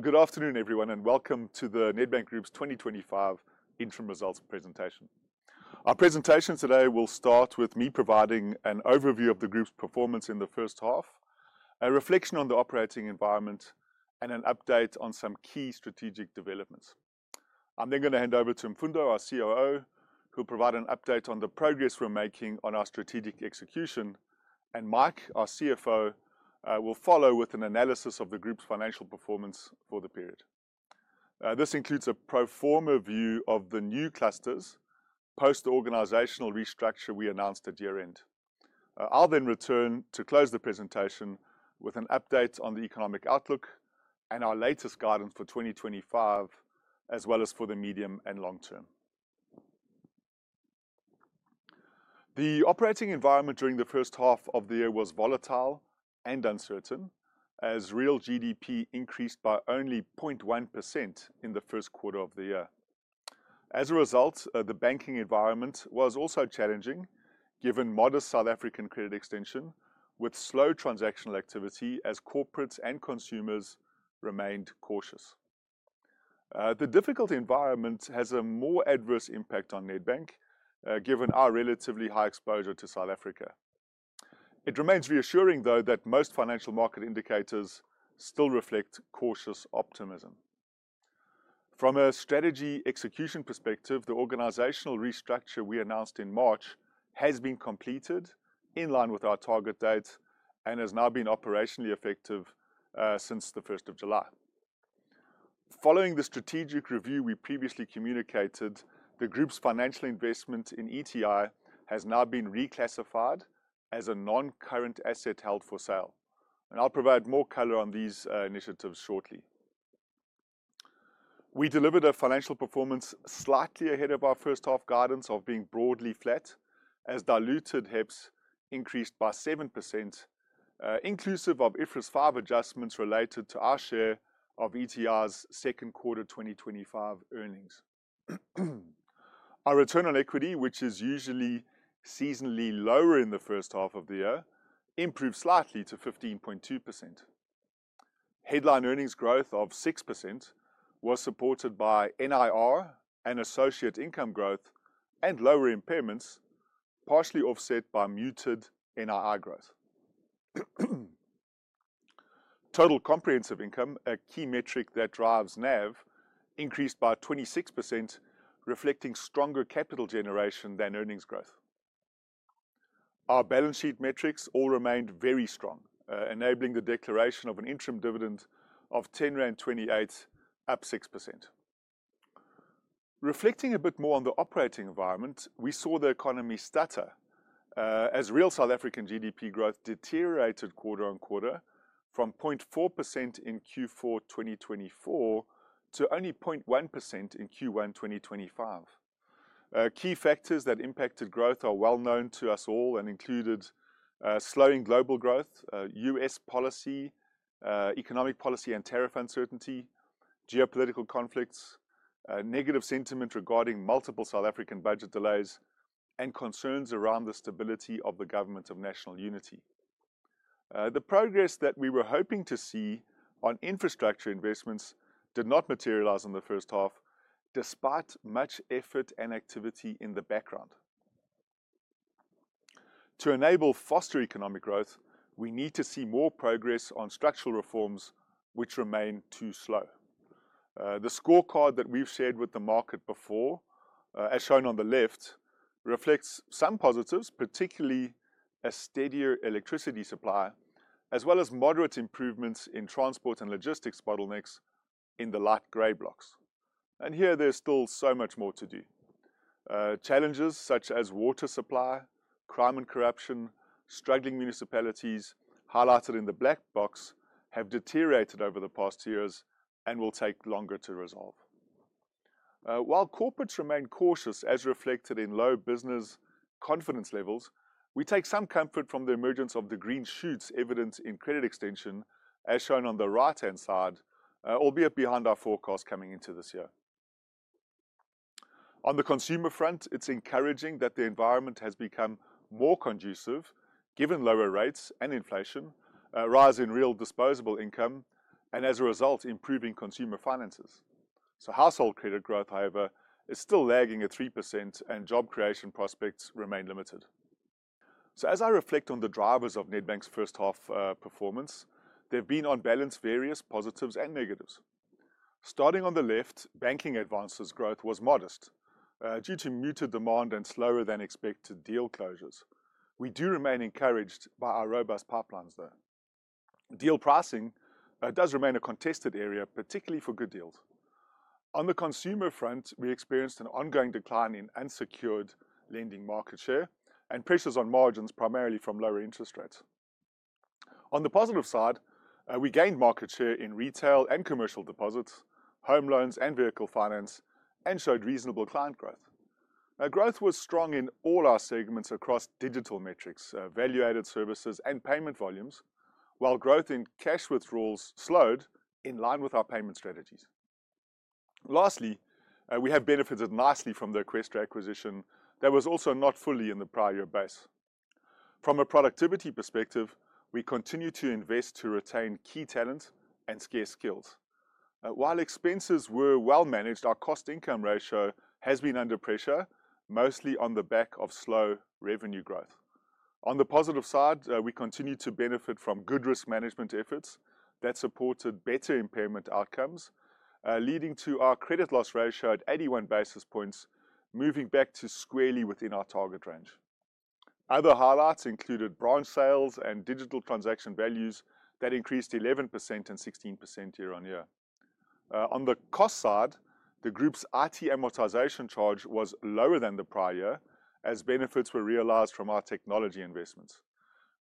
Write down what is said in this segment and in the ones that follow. Good afternoon, everyone, and welcome to the Nedbank Group Limited's 2025 Interim Results Presentation. Our presentation today will start with me providing an overview of the group's performance in the first half, a reflection on the operating environment, and an update on some key strategic developments. I'm then going to hand over to Mfundo, our Chief Operating Officer, who will provide an update on the progress we're making on our strategic execution, and Mike, our Chief Financial Officer, will follow with an analysis of the group's financial performance for the period. This includes a pro forma view of the new clusters, post-organizational restructure we announced at year-end. I'll then return to close the presentation with an update on the economic outlook and our latest guidance for 2025, as well as for the medium and long term The operating environment during the first half of the year was volatile and uncertain, as real GDP increased by only 0.1% in the first quarter of the year. As a result, the banking environment was also challenging, given modest South African credit extension, with slow transactional activity as corporates and consumers remained cautious. The difficult environment has a more adverse impact on Nedbank Group Limited, given our relatively high exposure to South Africa. It remains reassuring, though, that most financial market indicators still reflect cautious optimism. From a strategy execution perspective, the organizational restructure we announced in March has been completed in line with our target date and has now been operationally effective since the 1st of July. Following the strategic review we previously communicated, the group's financial investment in Ecobank Transnational Incorporated has now been reclassified as a non-current asset held for sale. I'll provide more color on these initiatives shortly. We delivered a financial performance slightly ahead of our first half guidance of being broadly flat, as diluted HEPS increased by 7%, inclusive of IFRS 5 adjustments related to our share of ETI's second quarter 2025 earnings. Our return on equity, which is usually seasonally lower in the first half of the year, improved slightly to 15.2%. Headline earnings growth of 6% was supported by NIR and associate income growth and lower impairments, partially offset by muted NIR growth. Total comprehensive income, a key metric that drives NAV, increased by 26%, reflecting stronger capital generation than earnings growth. Our balance sheet metrics all remained very strong, enabling the declaration of an interim dividend of 10.28 rand, up 6%. Reflecting a bit more on the operating environment, we saw the economy stutter, as real South African GDP growth deteriorated quarter on quarter from 0.4% in Q4 2024 to only 0.1% in Q1 2025. Key factors that impacted growth are well known to us all and included slowing global growth, U.S. policy, economic policy and tariff uncertainty, geopolitical conflicts, negative sentiment regarding multiple South African budget delays, and concerns around the stability of the Government of National Unity. The progress that we were hoping to see on infrastructure investments did not materialize in the first half, despite much effort and activity in the background. To enable foster economic growth, we need to see more progress on structural reforms, which remain too slow. The scorecard that we've shared with the market before, as shown on the left, reflects some positives, particularly a steadier electricity supply, as well as moderate improvements in transport and logistics bottlenecks in the light gray blocks. There is still so much more to do. Challenges such as water supply, crime and corruption, struggling municipalities highlighted in the black box have deteriorated over the past years and will take longer to resolve. While corporates remain cautious, as reflected in low business confidence levels, we take some comfort from the emergence of the green shoots evidenced in credit extension, as shown on the right-hand side, albeit behind our forecast coming into this year. On the consumer front, it's encouraging that the environment has become more conducive, given lower rates and inflation, rise in real disposable income, and as a result, improving consumer finances. Household credit growth, however, is still lagging at 3%, and job creation prospects remain limited. As I reflect on the drivers of Nedbank Group Limited's first half performance, there have been on balance various positives and negatives. Starting on the left, banking advances growth was modest due to muted demand and slower than expected deal closures. We do remain encouraged by our robust pipelines, though. Deal pricing does remain a contested area, particularly for good deals. On the consumer front, we experienced an ongoing decline in unsecured lending market share and pressures on margins, primarily from lower interest rates. On the positive side, we gained market share in retail and commercial deposits, home loans, and vehicle finance, and showed reasonable client growth. Growth was strong in all our segments across digital metrics, value-added services, and payment volumes, while growth in cash withdrawals slowed in line with our payment strategies. Lastly, we have benefited nicely from the Eqstra acquisition that was also not fully in the prior year base. From a productivity perspective, we continue to invest to retain key talent and scarce skills. While expenses were well managed, our cost-to-income ratio has been under pressure, mostly on the back of slow revenue growth. On the positive side, we continue to benefit from good risk management efforts that supported better impairment outcomes, leading to our credit loss ratio at 81 basis points, moving back to squarely within our target range. Other highlights included branch sales and digital transaction values that increased 11% and 16% year on year. On the cost side, the group's IT amortization charge was lower than the prior year, as benefits were realized from our technology investments.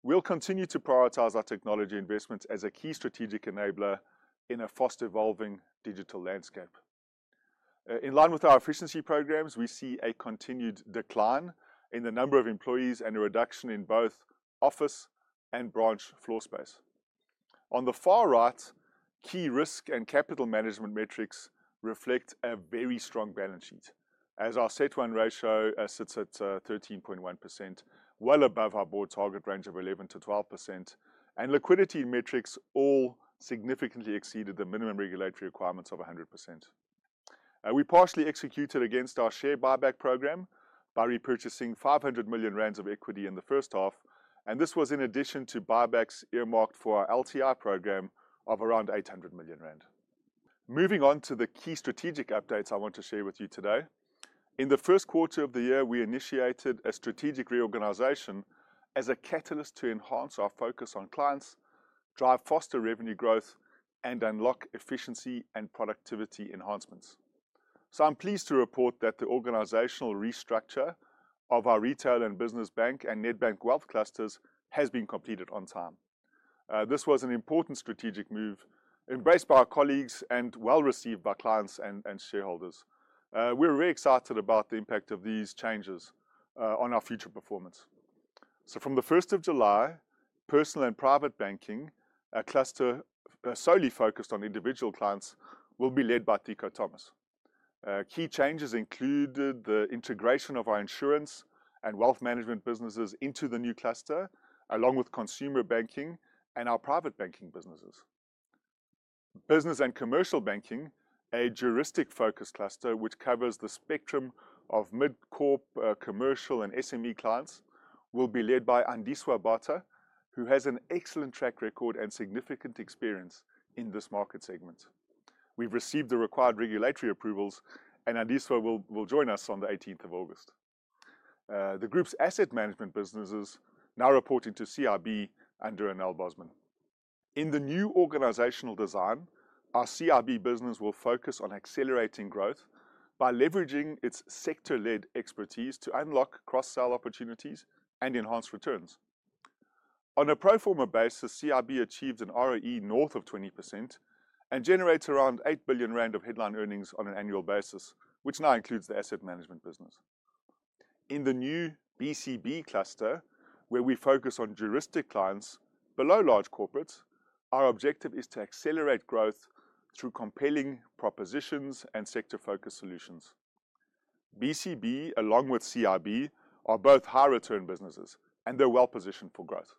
We will continue to prioritize our technology investments as a key strategic enabler in a fast-evolving digital landscape. In line with our efficiency programs, we see a continued decline in the number of employees and a reduction in both office and branch floor space. On the far right, key risk and capital management metrics reflect a very strong balance sheet, as our set to earn ratio sits at 13.1%, well above our board target range of 11%-12%, and liquidity metrics all significantly exceeded the minimum regulatory requirements of 100%. We partially executed against our share buyback program by repurchasing 500 million rand of equity in the first half, and this was in addition to buybacks earmarked for our LTR program of around 800 million rand. Moving on to the key strategic updates I want to share with you today. In the first quarter of the year, we initiated a strategic reorganization as a catalyst to enhance our focus on clients, drive faster revenue growth, and unlock efficiency and productivity enhancements. I'm pleased to report that the organizational restructure of our retail and business bank and Nedbank Wealth clusters has been completed on time. This was an important strategic move, embraced by our colleagues and well received by clients and shareholders. We're very excited about the impact of these changes on our future performance. From July 1, Personal and Private Banking, a cluster solely focused on individual clients, will be led by Ciko Thomas. Key changes included the integration of our insurance and wealth management businesses into the new cluster, along with consumer banking and our private banking businesses. Business and Commercial Banking, a juristic-focused cluster which covers the spectrum of mid-corp commercial and SME clients, will be led by Andiswa Bata, who has an excellent track record and significant experience in this market segment. We've received the required regulatory approvals, and Andiswa will join us on August 18. The group's asset management businesses are now reporting to CIB under Anél Bosman. In the new organizational design, our CIB business will focus on accelerating growth by leveraging its sector-led expertise to unlock cross-sell opportunities and enhance returns. On a pro forma basis, CIB achieved an ROE north of 20% and generates around R8 billion of headline earnings on an annual basis, which now includes the asset management business. In the new BCB cluster, where we focus on juristic clients below large corporates, our objective is to accelerate growth through compelling propositions and sector-focused solutions. BCB, along with CIB, are both high-return businesses, and they're well positioned for growth.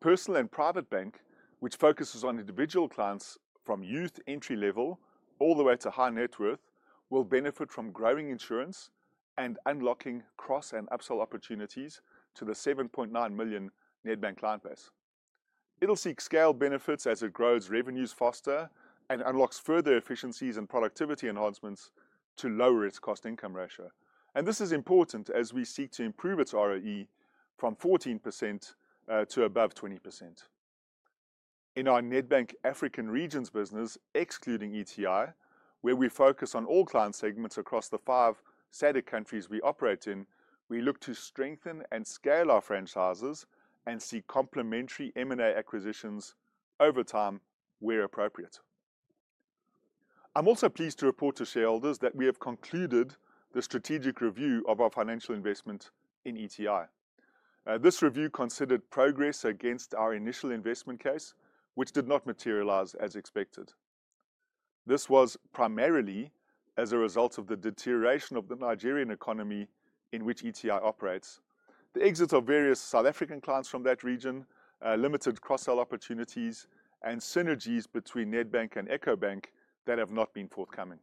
Personal and Private Banking, which focuses on individual clients from youth entry level all the way to high net worth, will benefit from growing insurance and unlocking cross and upsell opportunities to the 7.9 million Nedbank client base. It will seek scale benefits as it grows revenues faster and unlocks further efficiencies and productivity enhancements to lower its cost-to-income ratio. This is important as we seek to improve its ROE from 14% to above 20%. In our Nedbank African Regions business, excluding Ecobank Transnational Incorporated (ETI), where we focus on all client segments across the five SADC countries we operate in, we look to strengthen and scale our franchises and seek complementary M&A acquisitions over time where appropriate. I'm also pleased to report to shareholders that we have concluded the strategic review of our financial investment in ETI. This review considered progress against our initial investment case, which did not materialize as expected. This was primarily as a result of the deterioration of the Nigerian economy in which ETI operates. The exit of various South African clients from that region limited cross-sell opportunities and synergies between Nedbank and Ecobank that have not been forthcoming.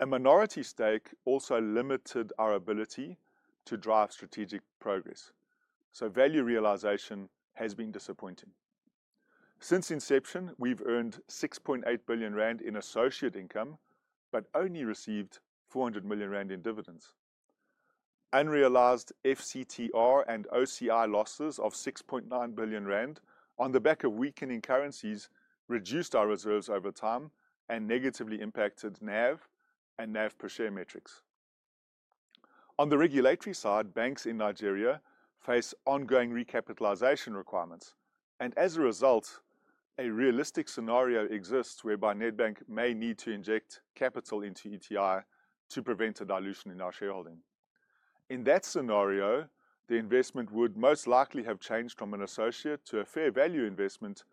A minority stake also limited our ability to drive strategic progress, so value realization has been disappointing. Since inception, we've earned 6.8 billion rand in associate income but only received 400 million rand in dividends. Unrealized FCTR and OCI losses of 6.9 billion rand on the back of weakening currencies reduced our reserves over time and negatively impacted NAV and NAV per share metrics. On the regulatory side, banks in Nigeria face ongoing recapitalization requirements, and as a result, a realistic scenario exists whereby Nedbank may need to inject capital into Ecobank Transnational Incorporated to prevent a dilution in our shareholding. In that scenario, the investment would most likely have changed from an associate to a fair value investment,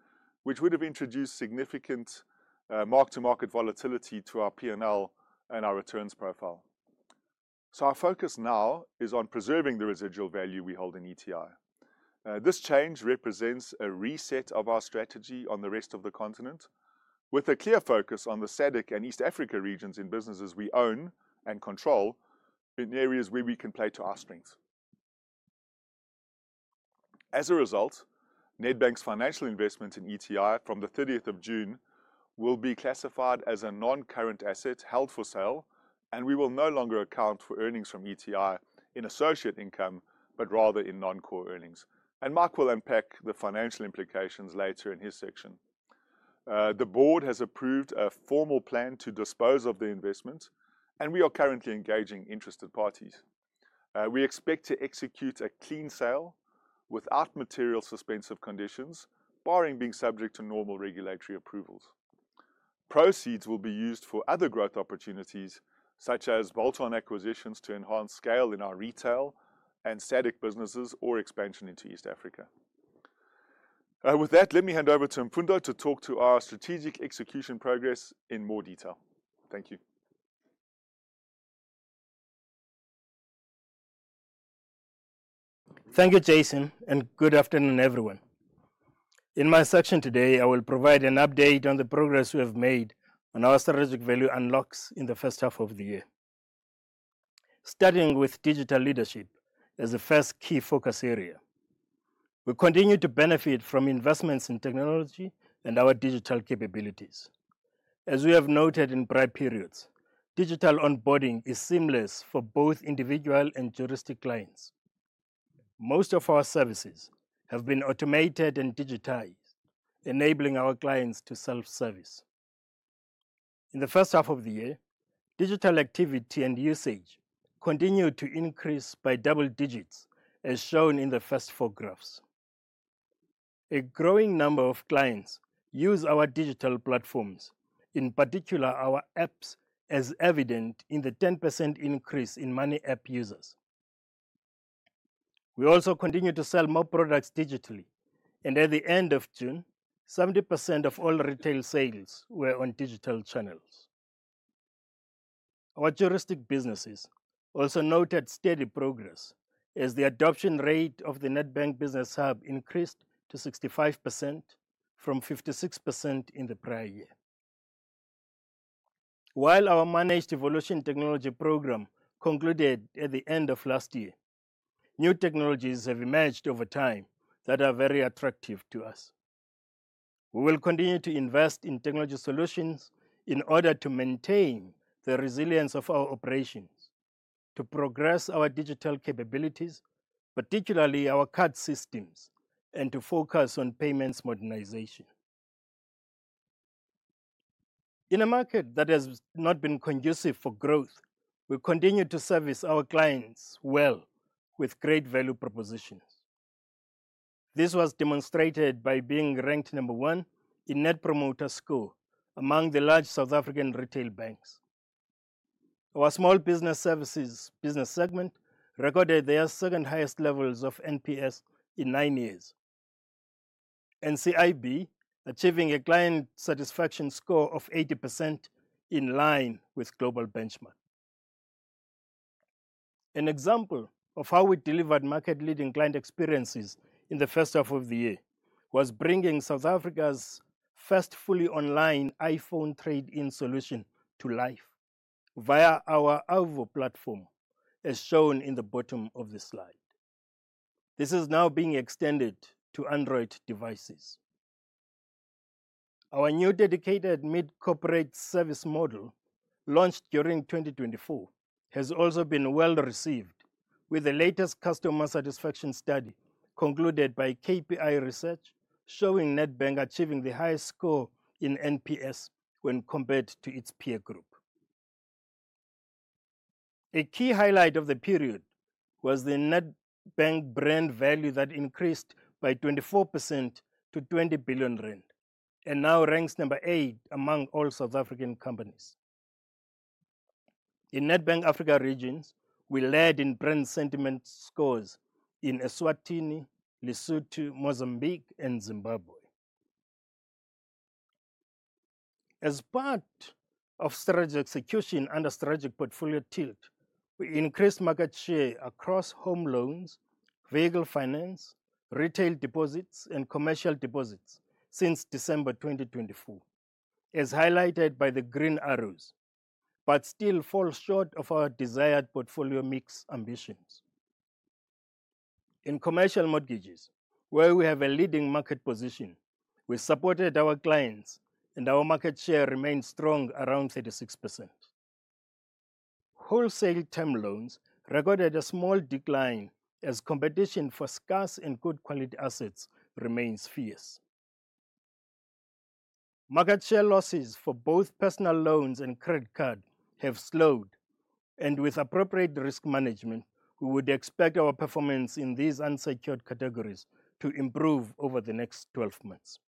which would have introduced significant mark-to-market volatility to our P&L and our returns profile. Our focus now is on preserving the residual value we hold in Ecobank Transnational Incorporated. This change represents a reset of our strategy on the rest of the continent, with a clear focus on the SADC and East Africa regions in businesses we own and control in areas where we can play to our strengths. As a result, Nedbank's financial investment in Ecobank Transnational Incorporated from the 30th of June will be classified as a non-current asset held for sale, and we will no longer account for earnings from Ecobank Transnational Incorporated in associate income, but rather in non-core earnings. Mike will unpack the financial implications later in his section. The board has approved a formal plan to dispose of the investment, and we are currently engaging interested parties. We expect to execute a clean sale without material suspensive conditions, barring being subject to normal regulatory approvals. Proceeds will be used for other growth opportunities, such as bolt-on acquisitions to enhance scale in our retail and SADC businesses or expansion into East Africa. With that, let me hand over to Mfundo to talk to our strategic execution progress in more detail. Thank you. Thank you, Jason, and good afternoon, everyone. In my section today, I will provide an update on the progress we have made on our strategic value unlocks in the first half of the year. Starting with digital leadership as the first key focus area, we continue to benefit from investments in technology and our digital capabilities. As we have noted in prior periods, digital onboarding is seamless for both individual and juristic clients. Most of our services have been automated and digitized, enabling our clients to self-service. In the first half of the year, digital activity and usage continue to increase by double digits, as shown in the first four graphs. A growing number of clients use our digital platforms, in particular our apps, as evident in the 10% increase in many app users. We also continue to sell more products digitally, and at the end of June, 70% of all retail sales were on digital channels. Our juristic businesses also noted steady progress, as the adoption rate of the Nedbank Business Hub increased to 65%, from 56% in the prior year. While our managed evolution technology program concluded at the end of last year, new technologies have emerged over time that are very attractive to us. We will continue to invest in technology solutions in order to maintain the resilience of our operations, to progress our digital capabilities, particularly our card systems, and to focus on payments modernization. In a market that has not been conducive for growth, we continue to service our clients well with great value propositions. This was demonstrated by being ranked number one in Net Promoter Score among the large South African retail banks. Our small business services business segment recorded their second highest levels of NPS in nine years, NCIB achieving a client satisfaction score of 80% in line with global benchmarks. An example of how we delivered market-leading client experiences in the first half of the year was bringing South Africa's first fully online iPhone trade-in solution to life via our Alvo platform, as shown in the bottom of the slide. This is now being extended to Android devices. Our new dedicated mid-corporate service model, launched during 2024, has also been well received, with the latest customer satisfaction study concluded by KPI Research showing Nedbank achieving the highest score in NPS when compared to its peer group. A key highlight of the period was the Nedbank brand value that increased by 24% to 20 billion rand and now ranks number eight among all South African companies. In Nedbank Africa regions, we led in brand sentiment scores in Eswatini, Lesotho, Mozambique, and Zimbabwe. As part of strategy execution under Strategic Portfolio Tilt, we increased market share across home loans, vehicle finance, retail deposits, and commercial deposits since December 2023, as highlighted by the green arrows, but still fall short of our desired portfolio mix ambitions. In commercial mortgages, where we have a leading market position, we supported our clients, and our market share remains strong around 36%. Wholesale term loans recorded a small decline, as competition for scarce and good-quality assets remains fierce. Market share losses for both personal loans and credit cards have slowed, and with appropriate risk management, we would expect our performance in these unsecured categories to improve over the next 12 months.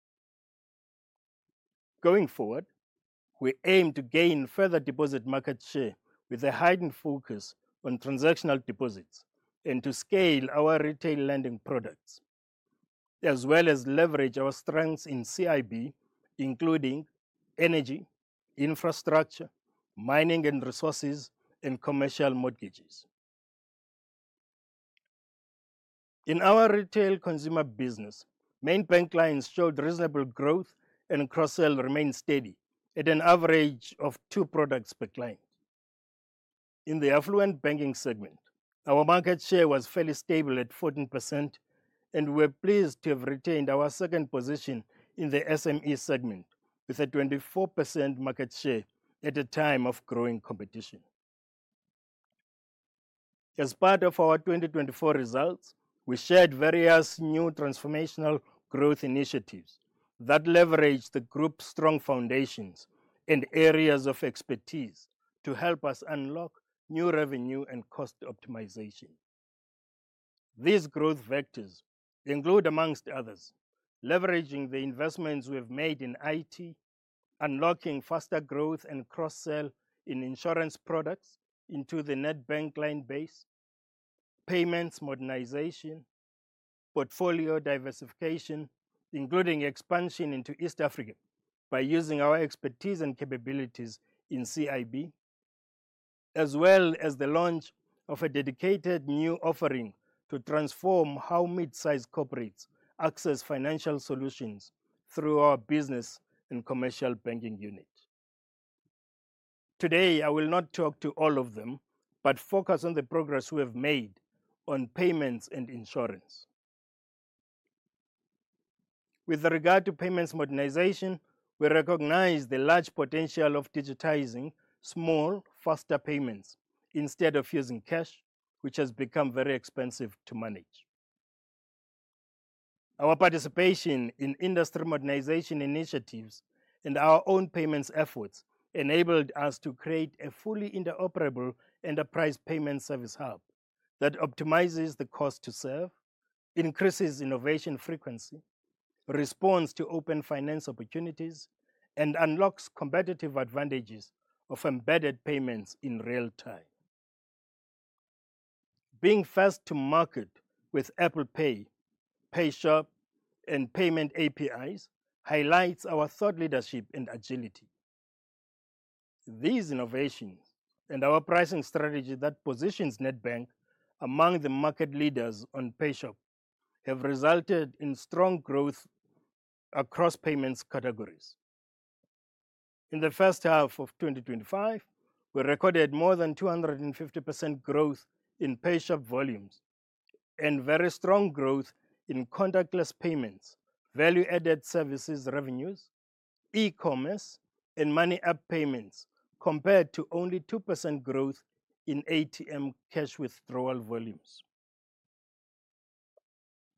Going forward, we aim to gain further deposit market share with a heightened focus on transactional deposits and to scale our retail lending products, as well as leverage our strengths in CIB, including energy, infrastructure, mining and resources, and commercial mortgages. In our retail consumer business, main bank clients showed reasonable growth, and cross-sale remained steady at an average of two products per client. In the affluent banking segment, our market share was fairly stable at 14%, and we're pleased to have retained our second position in the SME segment with a 24% market share at a time of growing competition. As part of our 2023 results, we shared various new transformational growth initiatives that leverage the group's strong foundations and areas of expertise to help us unlock new revenue and cost optimization. These growth vectors include, amongst others, leveraging the investments we've made in IT, unlocking faster growth and cross-sell in insurance products into the Nedbank client base, payments modernization, portfolio diversification, including expansion into East Africa by using our expertise and capabilities in CIB, as well as the launch of a dedicated new offering to transform how mid-sized corporates access financial solutions through our Business and Commercial Banking unit. Today, I will not talk to all of them, but focus on the progress we have made on payments and insurance. With regard to payments modernization, we recognize the large potential of digitizing small, faster payments instead of using cash, which has become very expensive to manage. Our participation in industry modernization initiatives and our own payments efforts enabled us to create a fully interoperable enterprise payment service hub that optimizes the cost to serve, increases innovation frequency, responds to open finance opportunities, and unlocks competitive advantages of embedded payments in real time. Being first to market with Apple Pay, PayShop, and payment APIs highlights our thought leadership and agility. These innovations and our pricing strategy that positions Nedbank among the market leaders on PayShop have resulted in strong growth across payments categories. In the first half of 2025, we recorded more than 250% growth in PayShop volumes and very strong growth in contactless payments, value-added services revenues, e-commerce, and money app payments compared to only 2% growth in ATM cash withdrawal volumes.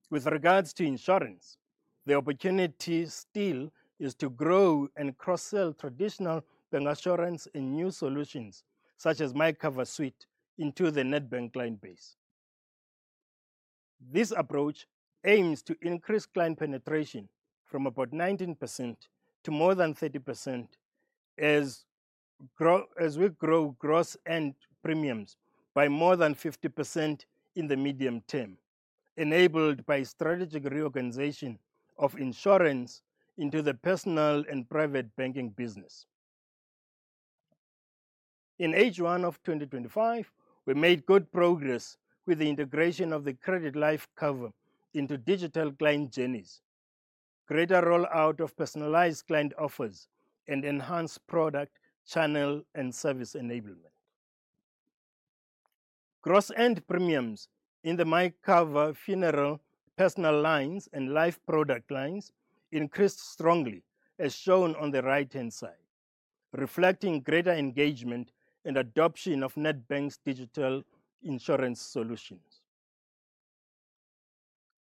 With regards to insurance, the opportunity still is to grow and cross-sell traditional bank assurance and new solutions such as myCover Suite into the Nedbank client base. This approach aims to increase client penetration from about 19% to more than 30% as we grow gross and premiums by more than 50% in the medium term, enabled by strategic reorganization of insurance into the Personal and Private Banking business. In H1 of 2025, we made good progress with the integration of the CreditLife cover into digital client journeys, greater rollout of personalized client offers, and enhanced product, channel, and service enablement. Gross and premiums in the myCover funeral, personal lines, and life product lines increased strongly, as shown on the right-hand side, reflecting greater engagement and adoption of Nedbank's digital insurance solutions.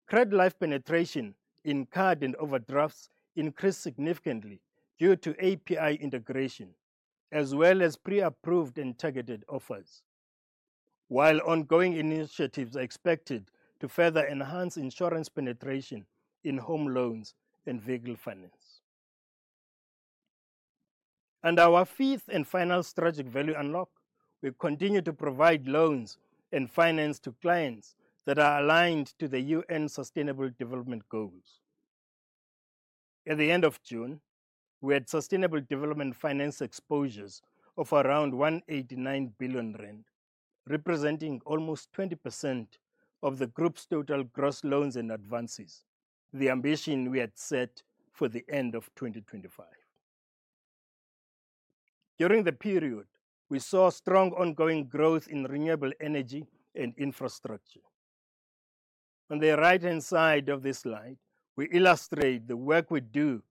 CreditLife penetration in card and overdrafts increased significantly due to API integration, as well as pre-approved and targeted offers, while ongoing initiatives are expected to further enhance insurance penetration in home loans and vehicle finance. Our fifth and final strategic value unlock, we continue to provide loans and finance to clients that are aligned to the UN Sustainable Development Goals. At the end of June, we had sustainable development finance exposures of around 189 billion rand, representing almost 20% of the group's total gross loans and advances, the ambition we had set for the end of 2025. During the period, we saw strong ongoing growth in renewable energy and infrastructure. On the right-hand side of this slide, we illustrate the work we do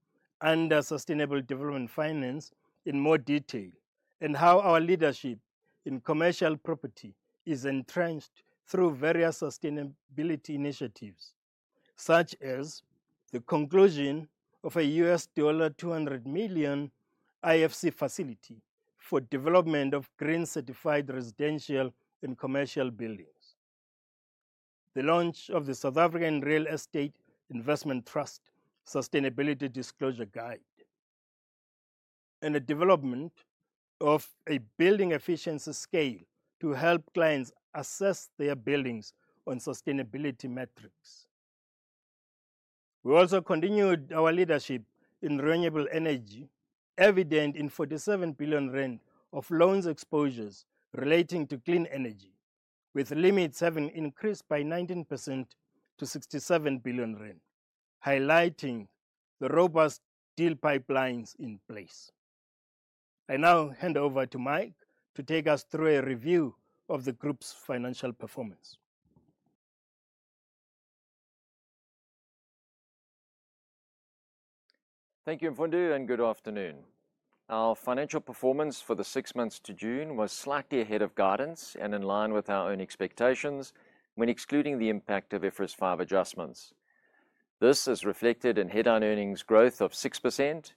under sustainable development finance in more detail and how our leadership in commercial property is entrenched through various sustainability initiatives, such as the conclusion of a ZAR 200 million IFC facility for development of green certified residential and commercial buildings, the launch of the South African Real Estate Investment Trust Sustainability Disclosure Guide, and the development of a building efficiency scale to help clients assess their buildings on sustainability metrics. We also continued our leadership in renewable energy, evident in 47 billion rand of loans exposures relating to clean energy, with limits having increased by 19% to 67 billion rand, highlighting the robust deal pipelines in place. I now hand over to Mike to take us through a review of the group's financial performance. Thank you, Mfundo, and good afternoon. Our financial performance for the six months to June was slightly ahead of guidance and in line with our own expectations when excluding the impact of IFRS 5 adjustments. This is reflected in headline earnings growth of 6%,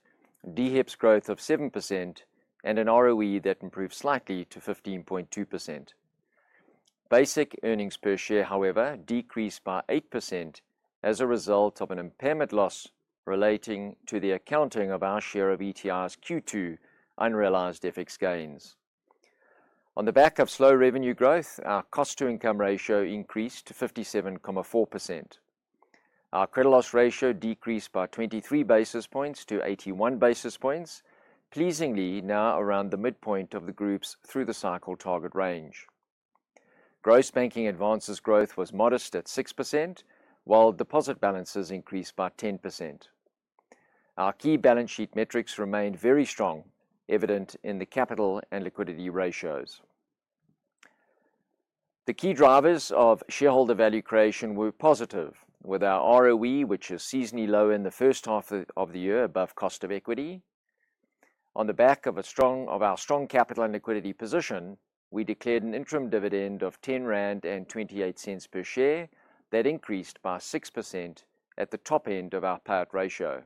DHEPS growth of 7%, and an ROE that improved slightly to 15.2%. Basic earnings per share, however, decreased by 8% as a result of an impairment loss relating to the accounting of our share of Ecobank Transnational Incorporated's Q2 unrealized FX gains. On the back of slow revenue growth, our cost-to-income ratio increased to 57.4%. Our credit loss ratio decreased by 23 basis points to 81 basis points, pleasingly now around the midpoint of the group's through-the-cycle target range. Gross banking advances growth was modest at 6%, while deposit balances increased by 10%. Our key balance sheet metrics remained very strong, evident in the capital and liquidity ratios. The key drivers of shareholder value creation were positive, with our ROE, which is seasonally low in the first half of the year, above cost of equity. On the back of our strong capital and liquidity position, we declared an interim dividend of 10.28 rand per share that increased by 6% at the top end of our payout ratio.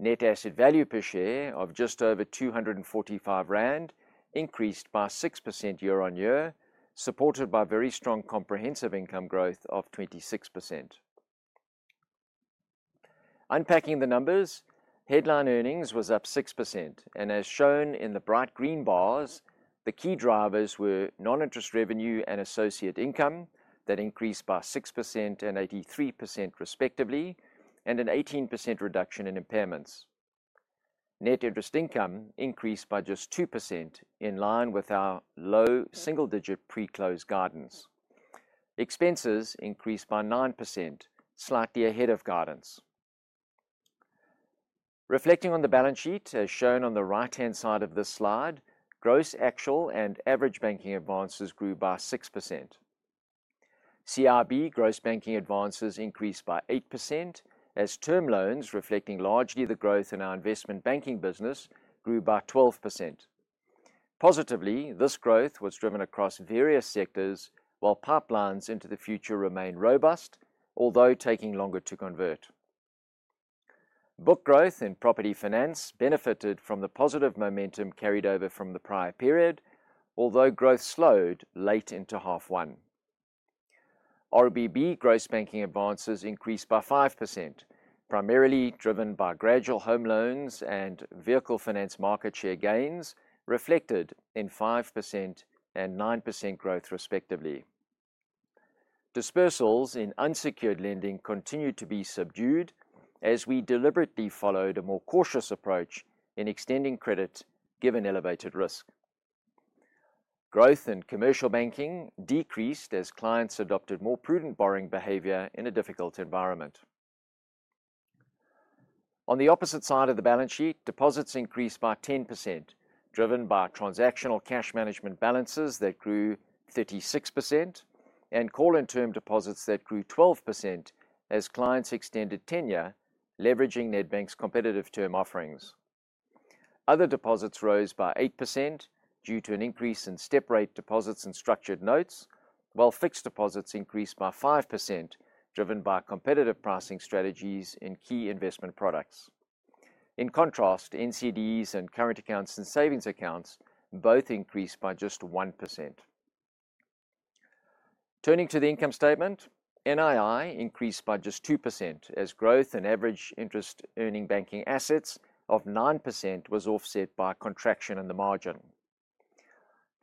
Net asset value per share of just over 245 rand increased by 6% year on year, supported by very strong comprehensive income growth of 26%. Unpacking the numbers, headline earnings were up 6%, and as shown in the bright green bars, the key drivers were non-interest revenue and associate income that increased by 6% and 83% respectively, and an 18% reduction in impairments. Net interest income increased by just 2%, in line with our low single-digit pre-close guidance. Expenses increased by 9%, slightly ahead of guidance. Reflecting on the balance sheet, as shown on the right-hand side of the slide, gross actual and average banking advances grew by 6%. CIB gross banking advances increased by 8%, as term loans, reflecting largely the growth in our investment banking business, grew by 12%. Positively, this growth was driven across various sectors, while pipelines into the future remain robust, although taking longer to convert. Book growth and property finance benefited from the positive momentum carried over from the prior period, although growth slowed late into half one. RBB gross banking advances increased by 5%, primarily driven by gradual home loans and vehicle finance market share gains, reflected in 5% and 9% growth respectively. Dispersals in unsecured lending continued to be subdued as we deliberately followed a more cautious approach in extending credit, given elevated risk. Growth in commercial banking decreased as clients adopted more prudent borrowing behavior in a difficult environment. On the opposite side of the balance sheet, deposits increased by 10%, driven by transactional cash management balances that grew 36% and call-in term deposits that grew 12% as clients extended tenure, leveraging Nedbank's competitive term offerings. Other deposits rose by 8% due to an increase in step-rate deposits and structured notes, while fixed deposits increased by 5%, driven by competitive pricing strategies in key investment products. In contrast, NCDs and current accounts and savings accounts both increased by just 1%. Turning to the income statement, NII increased by just 2% as growth in average interest-earning banking assets of 9% was offset by contraction in the margin.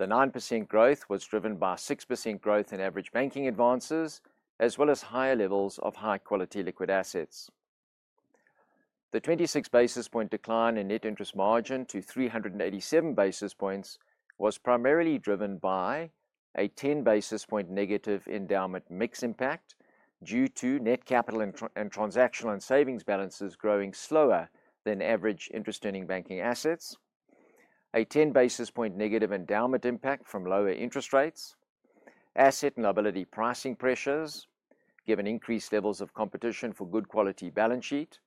The 9% growth was driven by 6% growth in average banking advances, as well as higher levels of high-quality liquid assets. The 26 basis point decline in net interest margin to 387 basis points was primarily driven by a 10 basis point negative endowment mix impact due to net capital and transactional and savings balances growing slower than average interest-earning banking assets, a 10 basis point negative endowment impact from lower interest rates, asset and liability pricing pressures given increased levels of competition for good quality balance sheet,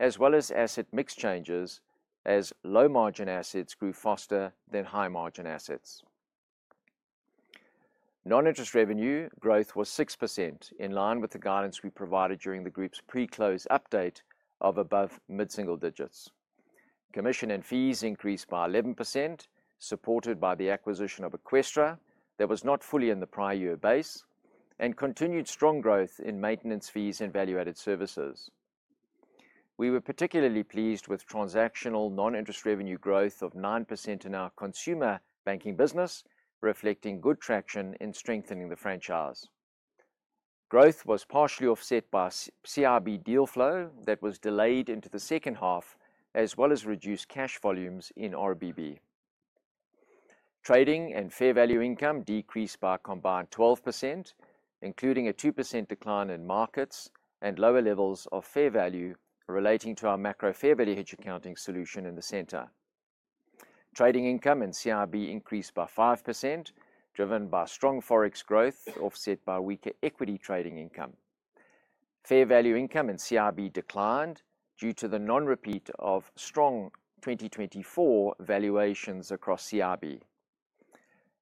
as well as asset mix changes as low margin assets grew faster than high margin assets. Non-interest revenue growth was 6%, in line with the guidance we provided during the group's pre-close update of above mid-single digits. Commission and fees increased by 11%, supported by the acquisition of Eqstra that was not fully in the prior year base, and continued strong growth in maintenance fees and value-added services. We were particularly pleased with transactional non-interest revenue growth of 9% in our consumer banking business, reflecting good traction and strengthening the franchise. Growth was partially offset by CIB deal flow that was delayed into the second half, as well as reduced cash volumes in RBB. Trading and fair value income decreased by a combined 12%, including a 2% decline in markets and lower levels of fair value relating to our macro fair value hedge accounting solution in the center. Trading income in CIB increased by 5%, driven by strong forex growth offset by weaker equity trading income. Fair value income in CIB declined due to the non-repeat of strong 2024 valuations across CIB.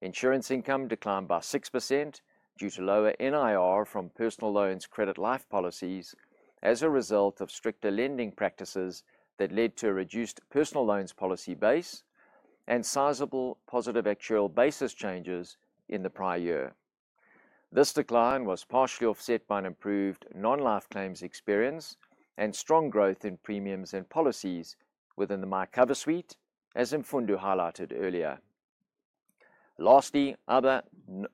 Insurance income declined by 6% due to lower NIR from personal loans credit life policies as a result of stricter lending practices that led to a reduced personal loans policy base and sizable positive actuarial basis changes in the prior year. This decline was partially offset by an improved non-life claims experience and strong growth in premiums and policies within the myCover Suite, as Mfundo highlighted earlier. Lastly, other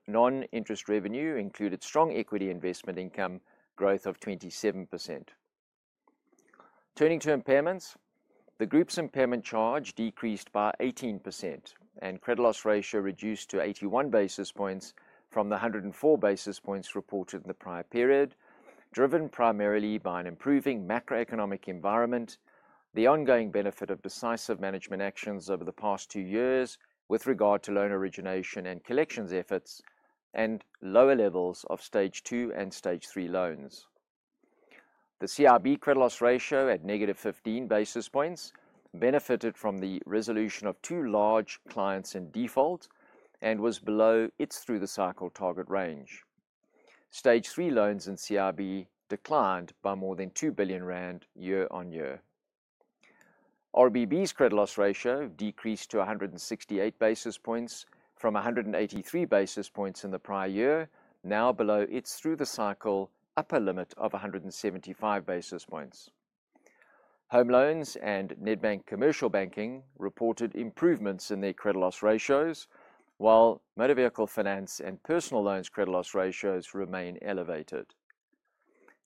non-interest revenue included strong equity investment income growth of 27%. Turning to impairments, the group's impairment charge decreased by 18% and credit loss ratio reduced to 81 basis points from the 104 basis points reported in the prior period, driven primarily by an improving macroeconomic environment, the ongoing benefit of decisive management actions over the past two years with regard to loan origination and collections efforts, and lower levels of stage two and stage three loans. The CIB credit loss ratio at negative 15 basis points benefited from the resolution of two large clients in default and was below its through-the-cycle target range. Stage three loans in CIB declined by more than 2 billion rand year on year. RBB's credit loss ratio decreased to 168 basis points from 183 basis points in the prior year, now below its through-the-cycle upper limit of 175 basis points. Home loans and Nedbank commercial banking reported improvements in their credit loss ratios, while vehicle finance and personal loans credit loss ratios remain elevated.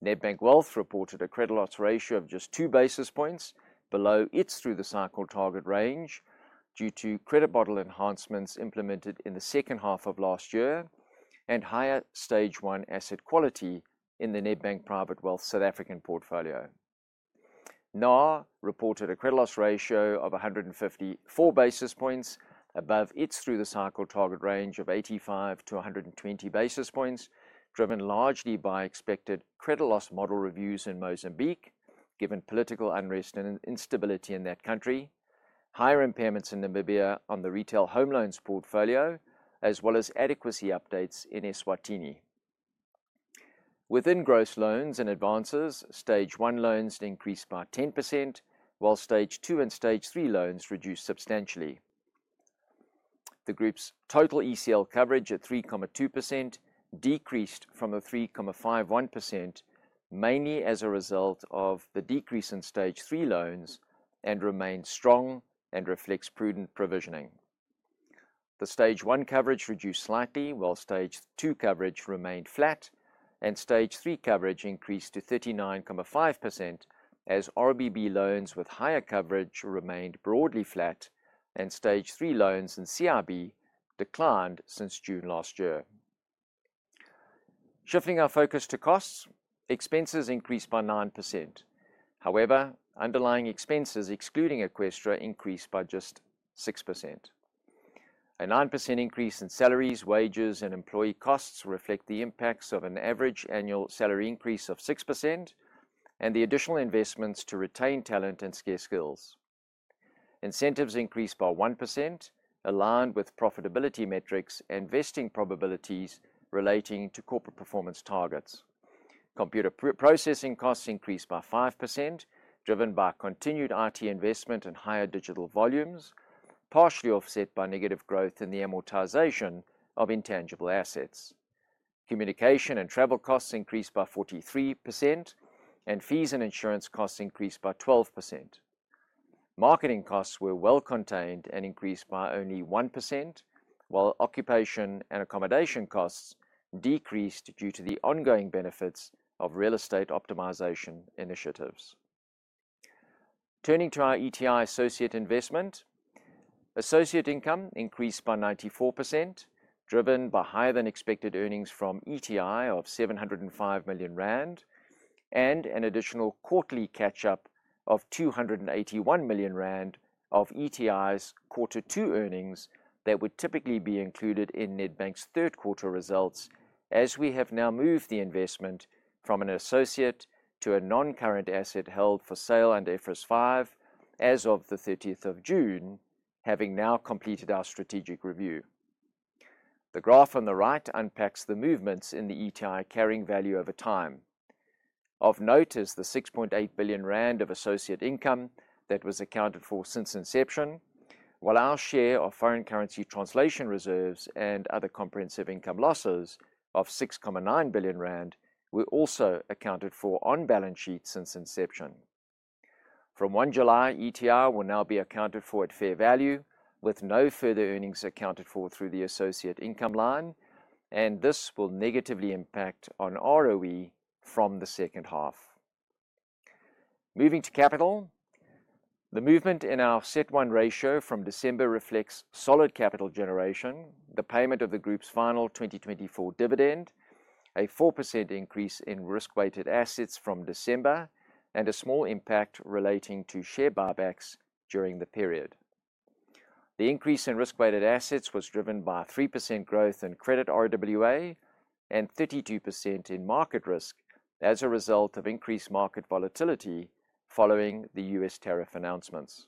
Nedbank Wealth reported a credit loss ratio of just two basis points below its through-the-cycle target range due to credit model enhancements implemented in the second half of last year and higher stage one asset quality in the Nedbank Private Wealth South African portfolio. NAH reported a credit loss ratio of 154 basis points above its through-the-cycle target range of 85 basis points-120 basis points, driven largely by expected credit loss model reviews in Mozambique, given political unrest and instability in that country, higher impairments in Namibia on the retail home loans portfolio, as well as adequacy updates in Eswatini. Within gross loans and advances, stage one loans increased by 10%, while stage two and stage three loans reduced substantially. The group's total ECL coverage at 3.2% decreased from 3.51%, mainly as a result of the decrease in stage three loans and remains strong and reflects prudent provisioning. The stage one coverage reduced slightly, while stage two coverage remained flat, and stage three coverage increased to 39.5%, as RBB loans with higher coverage remained broadly flat and stage three loans in CIB declined since June last year. Shifting our focus to costs, expenses increased by 9%. However, underlying expenses excluding Eqstra increased by just 6%. A 9% increase in salaries, wages, and employee costs reflects the impacts of an average annual salary increase of 6% and the additional investments to retain talent and skills. Incentives increased by 1%, aligned with profitability metrics and vesting probabilities relating to corporate performance targets. Computer processing costs increased by 5%, driven by continued IT investment and higher digital volumes, partially offset by negative growth in the amortization of intangible assets. Communication and travel costs increased by 43%, and fees and insurance costs increased by 12%. Marketing costs were well contained and increased by only 1%, while occupation and accommodation costs decreased due to the ongoing benefits of real estate optimization initiatives. Turning to our ETI associate investment, associate income increased by 94%, driven by higher than expected earnings from Ecobank Transnational Incorporated of 705 million rand and an additional quarterly catch-up of 281 million rand of ETI's Q2 earnings that would typically be included in Nedbank's third quarter results, as we have now moved the investment from an associate to a non-current asset held for sale under IFRS 5 as of the 30th of June, having now completed our strategic review. The graph on the right unpacks the movements in the ETI carrying value over time. Of note is the 6.8 billion rand of associate income that was accounted for since inception, while our share of foreign currency translation reserves and other comprehensive income losses of 6.9 billion rand were also accounted for on balance sheets since inception. From July 1, ETI will now be accounted for at fair value, with no further earnings accounted for through the associate income line, and this will negatively impact on ROE from the second half. Moving to capital, the movement in our CET1 ratio from December reflects solid capital generation, the payment of the group's final 2024 dividend, a 4% increase in risk-weighted assets from December, and a small impact relating to share buybacks during the period. The increase in risk-weighted assets was driven by 3% growth in credit RWA and 32% in market risk as a result of increased market volatility following the U.S. tariff announcements.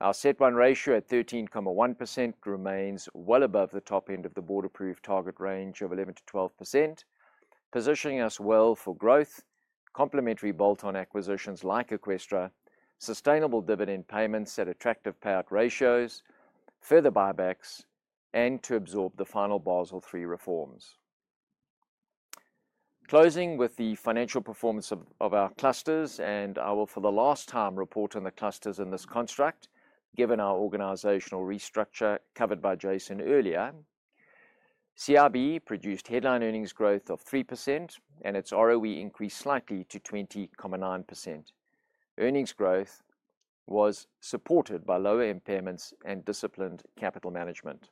Our CET1 ratio at 13.1% remains well above the top end of the board-approved target range of 11%-12%, positioning us well for growth, complementary bolt-on acquisitions like Eqstra, sustainable dividend payments at attractive payout ratios, further buybacks, and to absorb the final Basel III reforms. Closing with the financial performance of our clusters, and I will for the last time report on the clusters in this construct, given our organizational restructure covered by Jason Quinn earlier. CIB produced headline earnings growth of 3%, and its ROE increased slightly to ZAR 20.9%. Earnings growth was supported by lower impairments and disciplined capital management.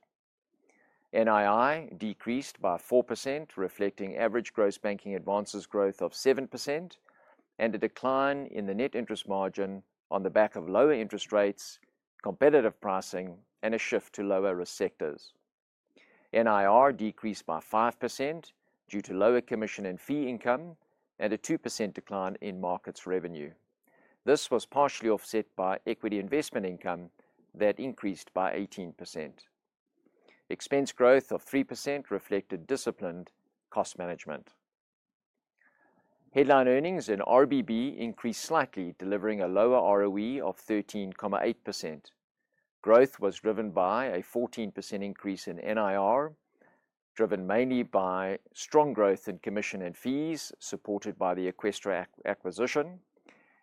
NII decreased by 4%, reflecting average gross banking advances growth of 7% and a decline in the net interest margin on the back of lower interest rates, competitive pricing, and a shift to lower risk sectors. NIR decreased by 5% due to lower commission and fees income and a 2% decline in markets revenue. This was partially offset by equity investment income that increased by 18%. Expense growth of 3% reflected disciplined cost management. Headline earnings in RBB increased slightly, delivering a lower ROE of ZAR 13.8%. Growth was driven by a 14% increase in NIR, driven mainly by strong growth in commission and fees, supported by the Eqstra acquisition,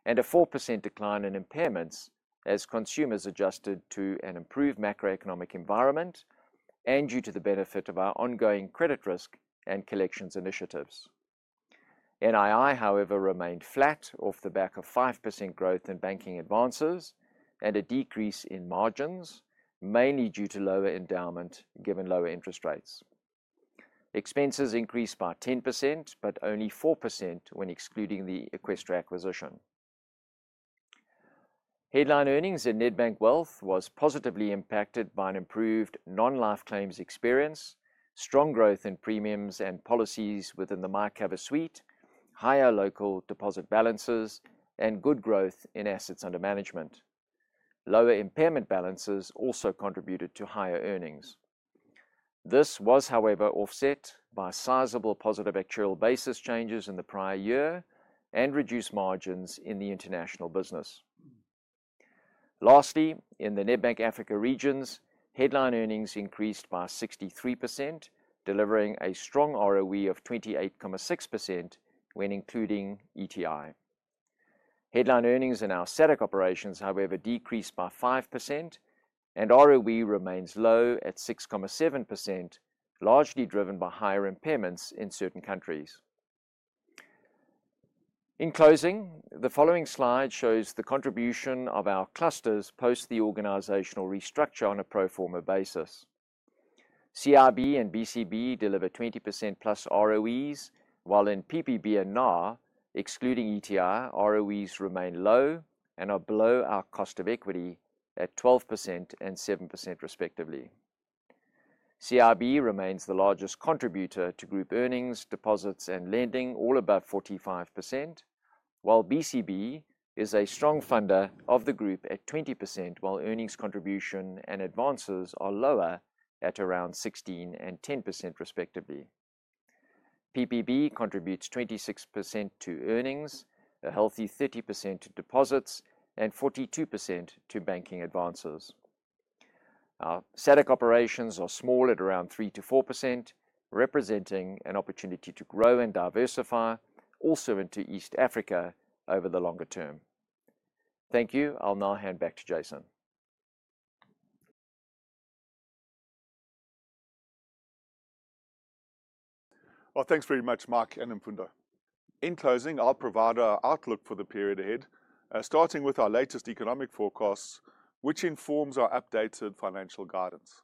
and a 4% decline in impairments as consumers adjusted to an improved macroeconomic environment and due to the benefit of our ongoing credit risk and collections initiatives. NII, however, remained flat off the back of 5% growth in banking advances and a decrease in margins, mainly due to lower endowment given lower interest rates. Expenses increased by 10%, but only 4% when excluding the Eqstra acquisition. Headline earnings in Nedbank Wealth were positively impacted by an improved non-life claims experience, strong growth in premiums and policies within the myCover Suite, higher local deposit balances, and good growth in assets under management. Lower impairment balances also contributed to higher earnings. This was, however, offset by sizable positive actuarial basis changes in the prior year and reduced margins in the international business. Lastly, in the Nedbank Africa regions, headline earnings increased by 63%, delivering a strong ROE of 28.6% when including Ecobank Transnational Incorporated. Headline earnings in our SADC operations, however, decreased by 5% and ROE remains low at 6.7%, largely driven by higher impairments in certain countries. In closing, the following slide shows the contribution of our clusters post the organizational restructure on a pro forma basis. CIB and Business and Commercial Banking deliver 20% plus ROEs, while in Personal and Private Banking and Nedbank Africa regions, excluding Ecobank Transnational Incorporated, ROEs remain low and are below our cost of equity at 12% and 7% respectively. CIB remains the largest contributor to group earnings, deposits, and lending, all about 45%, while Business and Commercial Banking is a strong funder of the group at 20%, while earnings contribution and advances are lower at around 16% and 10% respectively. Personal and Private Banking contributes 26% to earnings, a healthy 30% to deposits, and 42% to banking advances. Our SADC operations are small at around 3%-4%, representing an opportunity to grow and diversify, also into East Africa over the longer term. Thank you. I'll now hand back to Jason. Thanks very much, Mike and Mfundo. In closing, I'll provide our outlook for the period ahead, starting with our latest economic forecasts, which inform our updated financial guidance.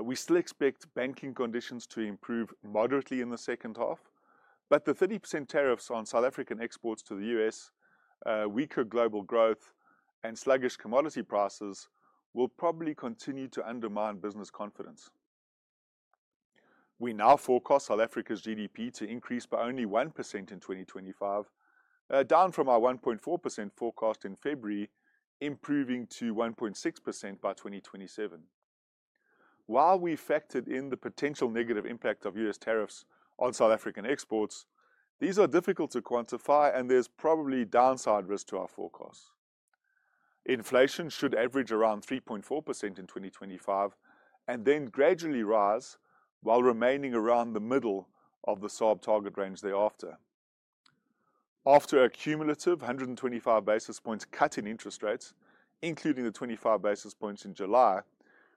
We still expect banking conditions to improve moderately in the second half, but the 30% tariffs on South African exports to the U.S., weaker global growth, and sluggish commodity prices will probably continue to undermine business confidence. We now forecast South Africa's GDP to increase by only 1% in 2025, down from our 1.4% forecast in February, improving to 1.6% by 2027. While we factored in the potential negative impact of U.S. tariffs on South African exports, these are difficult to quantify, and there's probably downside risk to our forecasts. Inflation should average around 3.4% in 2025 and then gradually rise while remaining around the middle of the solid target range thereafter. After a cumulative 125 basis points cut in interest rates, including the 25 basis points in July,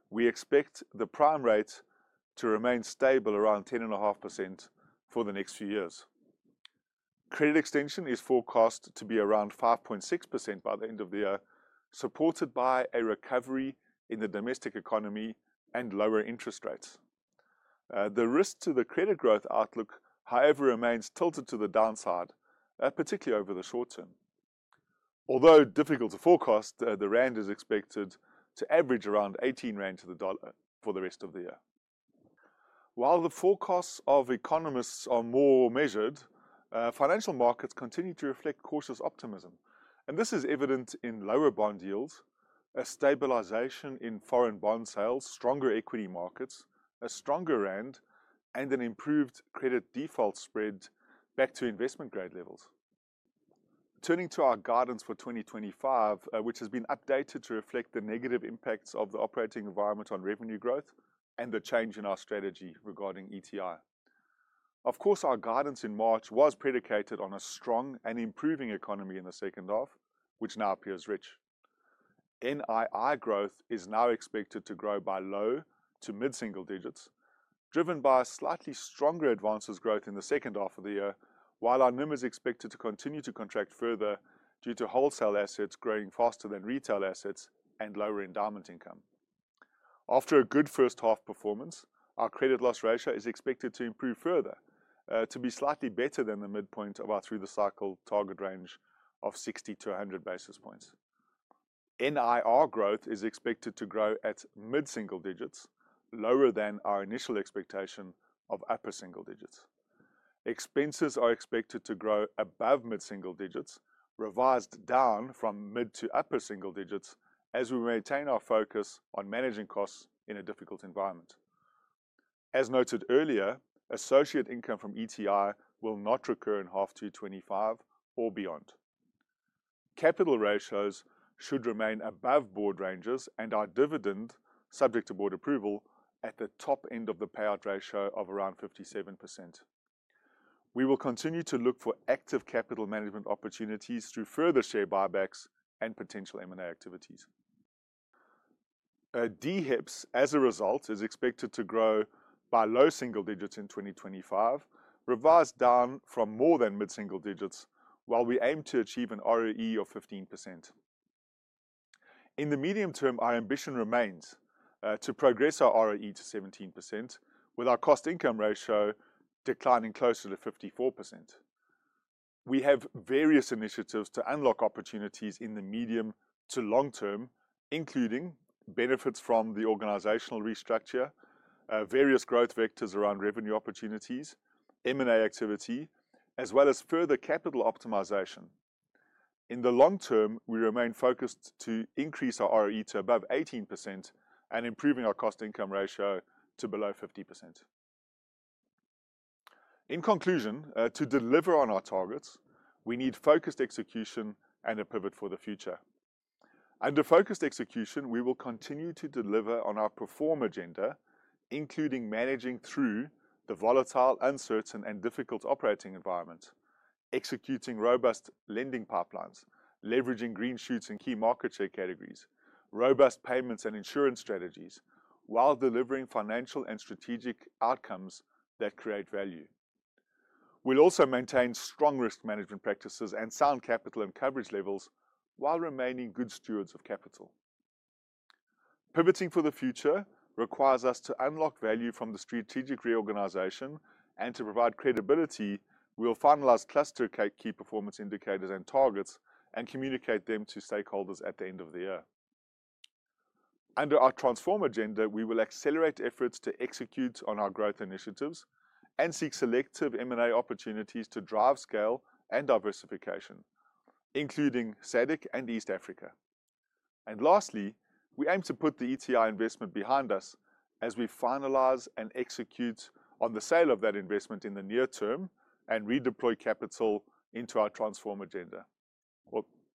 we expect the prime rate to remain stable around 10.5% for the next few years. Credit extension is forecast to be around 5.6% by the end of the year, supported by a recovery in the domestic economy and lower interest rates. The risk to the credit growth outlook, however, remains tilted to the downside, particularly over the short term. Although difficult to forecast, the rand is expected to average around 18 rand to the dollar for the rest of the year. While the forecasts of economists are more measured, financial markets continue to reflect cautious optimism, and this is evident in lower bond yields, a stabilization in foreign bond sales, stronger equity markets, a stronger rand, and an improved credit default spread back to investment grade levels. Turning to our guidance for 2025, which has been updated to reflect the negative impacts of the operating environment on revenue growth and the change in our strategy regarding Ecobank Transnational Incorporated. Of course, our guidance in March was predicated on a strong and improving economy in the second half, which now appears rich. NII growth is now expected to grow by low to mid-single digits, driven by slightly stronger advances growth in the second half of the year, while our numbers are expected to continue to contract further due to wholesale assets growing faster than retail assets and lower endowment income. After a good first half performance, our credit loss ratio is expected to improve further, to be slightly better than the midpoint of our through-the-cycle target range of 60 basis points-100 basis points. NII growth is expected to grow at mid-single digits, lower than our initial expectation of upper single digits. Expenses are expected to grow above mid-single digits, revised down from mid to upper single digits, as we maintain our focus on managing costs in a difficult environment. As noted earlier, associate income from Ecobank Transnational Incorporated will not recur in half 2025 or beyond. Capital ratios should remain above board ranges and our dividend, subject to board approval, at the top end of the payout ratio of around 57%. We will continue to look for active capital management opportunities through further share buybacks and potential M&A activities. DHEPS, as a result, is expected to grow by low single digits in 2025, revised down from more than mid-single digits, while we aim to achieve an ROE of 15%. In the medium term, our ambition remains to progress our ROE to 17%, with our cost-to-income ratio declining closer to 54%. We have various initiatives to unlock opportunities in the medium to long term, including benefits from the organizational restructure, various growth vectors around revenue opportunities, M&A activity, as well as further capital optimization. In the long term, we remain focused to increase our ROE to above 18% and improving our cost-to-income ratio to below 50%. In conclusion, to deliver on our targets, we need focused execution and a pivot for the future. Under focused execution, we will continue to deliver on our perform agenda, including managing through the volatile, uncertain, and difficult operating environment, executing robust lending pipelines, leveraging green shoots in key market share categories, robust payments and insurance strategies, while delivering financial and strategic outcomes that create value. We'll also maintain strong risk management practices and sound capital and coverage levels while remaining good stewards of capital. Pivoting for the future requires us to unlock value from the strategic reorganization and to provide credibility. We'll finalize cluster key performance indicators and targets and communicate them to stakeholders at the end of the year. Under our transform agenda, we will accelerate efforts to execute on our growth initiatives and seek selective M&A opportunities to drive scale and diversification, including SADC and East Africa. Lastly, we aim to put the ETI investment behind us as we finalize and execute on the sale of that investment in the near term and redeploy capital into our transform agenda.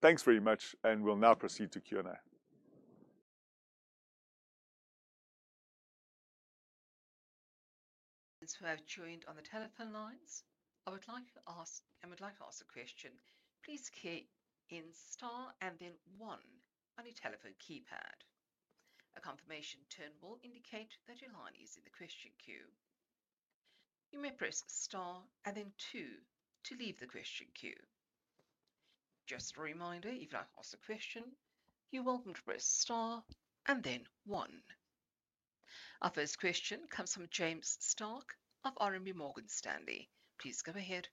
Thanks very much, and we'll now proceed to Q&A. Those who have joined on the telephone lines, I would like to ask a question. Please click in star and then one on your telephone keypad. A confirmation tone will indicate that your line is in the question queue. You may press star and then two to leave the question queue. Just a reminder, if you'd like to ask a question, you're welcome to press star and then one. Our first question comes from James Stark of RMB Morgan Stanley. Please go ahead.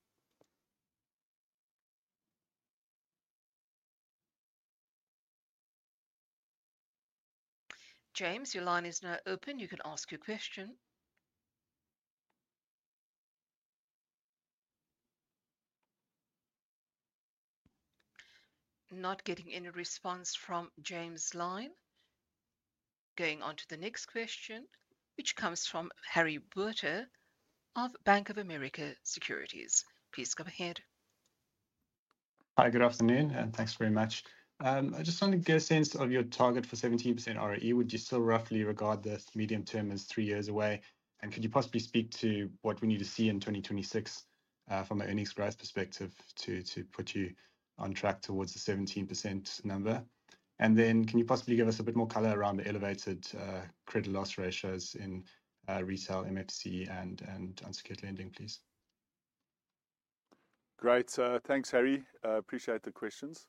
James, your line is now open. You can ask your question. Not getting any response from James' line. Going on to the next question, which comes from Harry Botha of Bank of America Securities. Please go ahead. Hi, good afternoon, and thanks very much. I just want to get a sense of your target for 17% ROE. Would you still roughly regard this medium term as three years away? Could you possibly speak to what we need to see in 2026 from an earnings growth perspective to put you on track towards the 17% number? Can you possibly give us a bit more color around the elevated credit loss ratios in retail, MFC, and unsecured lending, please? Great, thanks Harry. Appreciate the questions.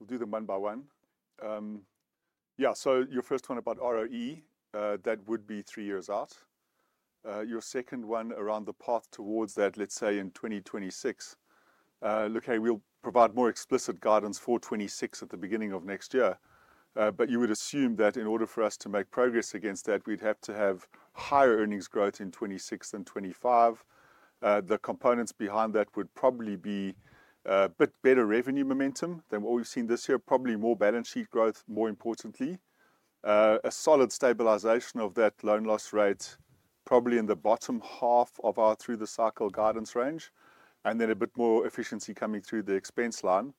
We'll do them one by one. Yeah, so your first one about ROE, that would be three years out. Your second one around the path towards that, let's say in 2026. Look, we'll provide more explicit guidance for 2026 at the beginning of next year. You would assume that in order for us to make progress against that, we'd have to have higher earnings growth in 2026 than 2025. The components behind that would probably be a bit better revenue momentum than what we've seen this year, probably more balance sheet growth, more importantly. A solid stabilisation of that loan loss rate, probably in the bottom half of our through-the-cycle guidance range, and then a bit more efficiency coming through the expense line.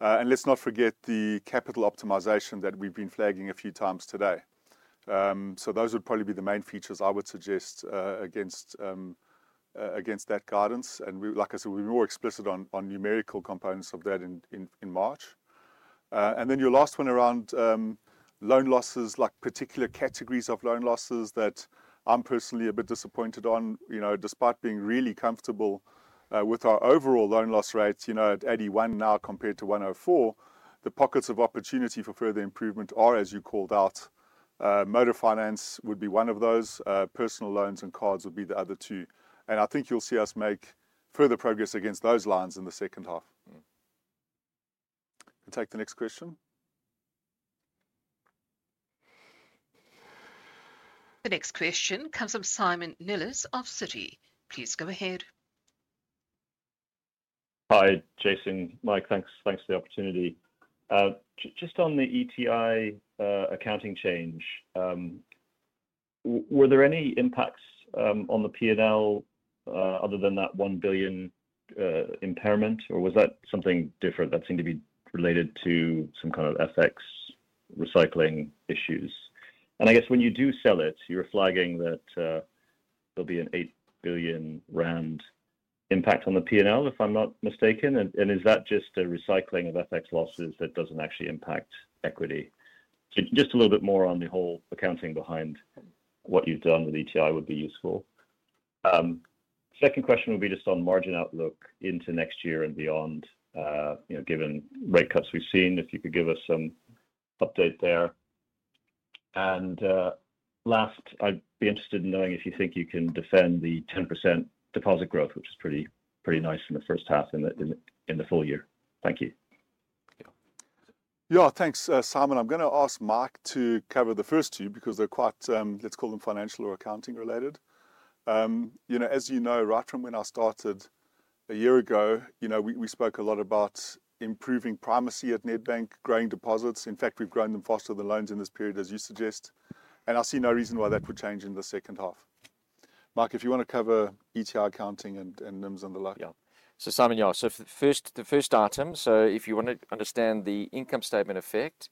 Let's not forget the capital optimisation that we've been flagging a few times today. Those would probably be the main features I would suggest against that guidance. Like I said, we'll be more explicit on numerical components of that in March. Your last one around loan losses, like particular categories of loan losses that I'm personally a bit disappointed on. You know, despite being really comfortable with our overall loan loss rates, you know, at 81 now compared to 104, the pockets of opportunity for further improvement are, as you called out. Motor finance would be one of those. Personal loans and cards would be the other two. I think you'll see us make further progress against those lines in the second half. You can take the next question. The next question comes from Simon Nellis of Citi. Please go ahead. Hi, Jason, Mike, thanks for the opportunity. Just on the ETI accounting change, were there any impacts on the P&L other than that 1 billion impairment, or was that something different that seemed to be related to some kind of FX recycling issues? I guess when you do sell it, you're flagging that there'll be an 8 billion rand impact on the P&L, if I'm not mistaken. Is that just a recycling of FX losses that doesn't actually impact equity? Just a little bit more on the whole accounting behind what you've done with ETI would be useful. Second question will be just on margin outlook into next year and beyond, you know, given rate cuts we've seen, if you could give us some update there. Last, I'd be interested in knowing if you think you can defend the 10% deposit growth, which is pretty nice in the first half in the full year. Thank you. Yeah, thanks, Simon. I'm going to ask Mike to cover the first two because they're quite, let's call them financial or accounting related. You know, as you know, right from when I started a year ago, we spoke a lot about improving primacy at Nedbank, growing deposits. In fact, we've grown them faster than loans in this period, as you suggest. I see no reason why that would change in the second half. Mike, if you want to cover ETI accounting and numbers on the low. Simon, first, the first item. If you want to understand the income statement effect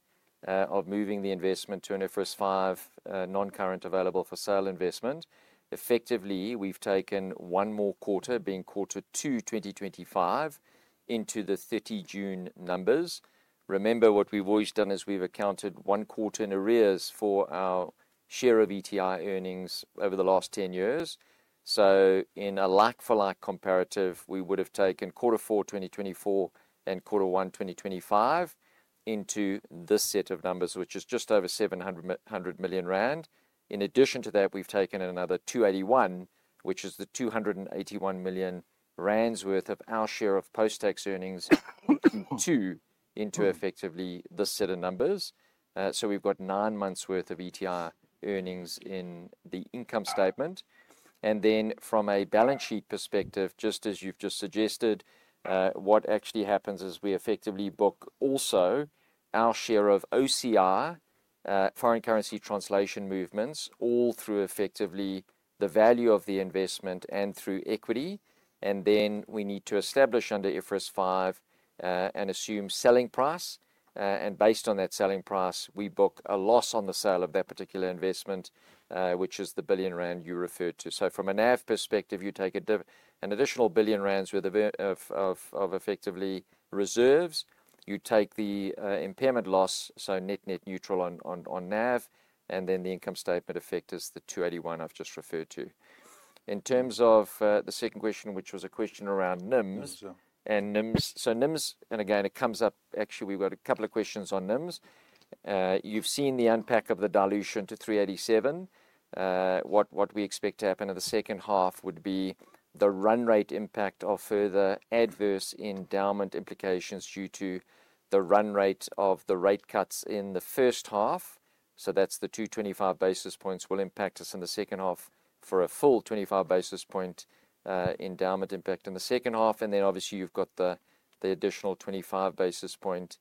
of moving the investment to an IFRS 5 non-current available for sale investment, effectively we've taken one more quarter, being quarter two 2025, into the 30 June numbers. Remember what we've always done is we've accounted one quarter in arrears for our share of Ecobank Transnational Incorporated earnings over the last 10 years. In a like-for-like comparative, we would have taken quarter four 2024 and quarter one 2025 into this set of numbers, which is just over 700 million rand. In addition to that, we've taken another 281 million, which is the 281 million rand worth of our share of post-tax earnings to effectively this set of numbers. We've got nine months' worth of Ecobank Transnational Incorporated earnings in the income statement. From a balance sheet perspective, just as you've suggested, what actually happens is we effectively book also our share of OCR, foreign currency translation movements, all through effectively the value of the investment and through equity. We need to establish under IFRS 5 an assumed selling price. Based on that selling price, we book a loss on the sale of that particular investment, which is the billion you referred to. From a NAV perspective, you take an additional R1 billion worth of effectively reserves. You take the impairment loss, so net net neutral on NAV, and then the income statement effect is the 281 million I've just referred to. In terms of the second question, which was a question around NIM. NIM, and again it comes up, actually we've got a couple of questions on NIM. You've seen the unpack of the dilution to 387 million. What we expect to happen in the second half would be the run rate impact of further adverse endowment implications due to the run rate of the rate cuts in the first half. That's the 225 basis points will impact us in the second half for a full 25 basis point endowment impact in the second half. Obviously, you've got the additional 25 basis point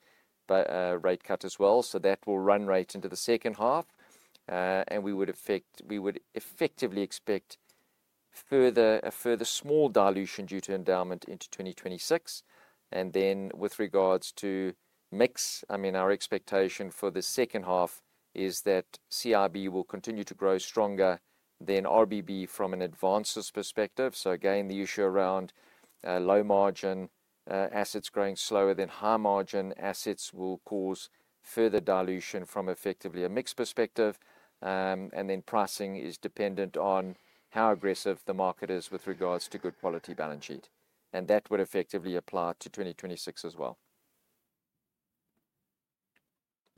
rate cut as well. That will run rate into the second half. We would effectively expect a further small dilution due to endowment into 2026. With regards to mix, our expectation for the second half is that CIB will continue to grow stronger than RBB from an advances perspective. The issue around low margin assets growing slower than high margin assets will cause further dilution from effectively a mix perspective. Pricing is dependent on how aggressive the market is with regards to good quality balance sheet. That would effectively apply to 2026 as well.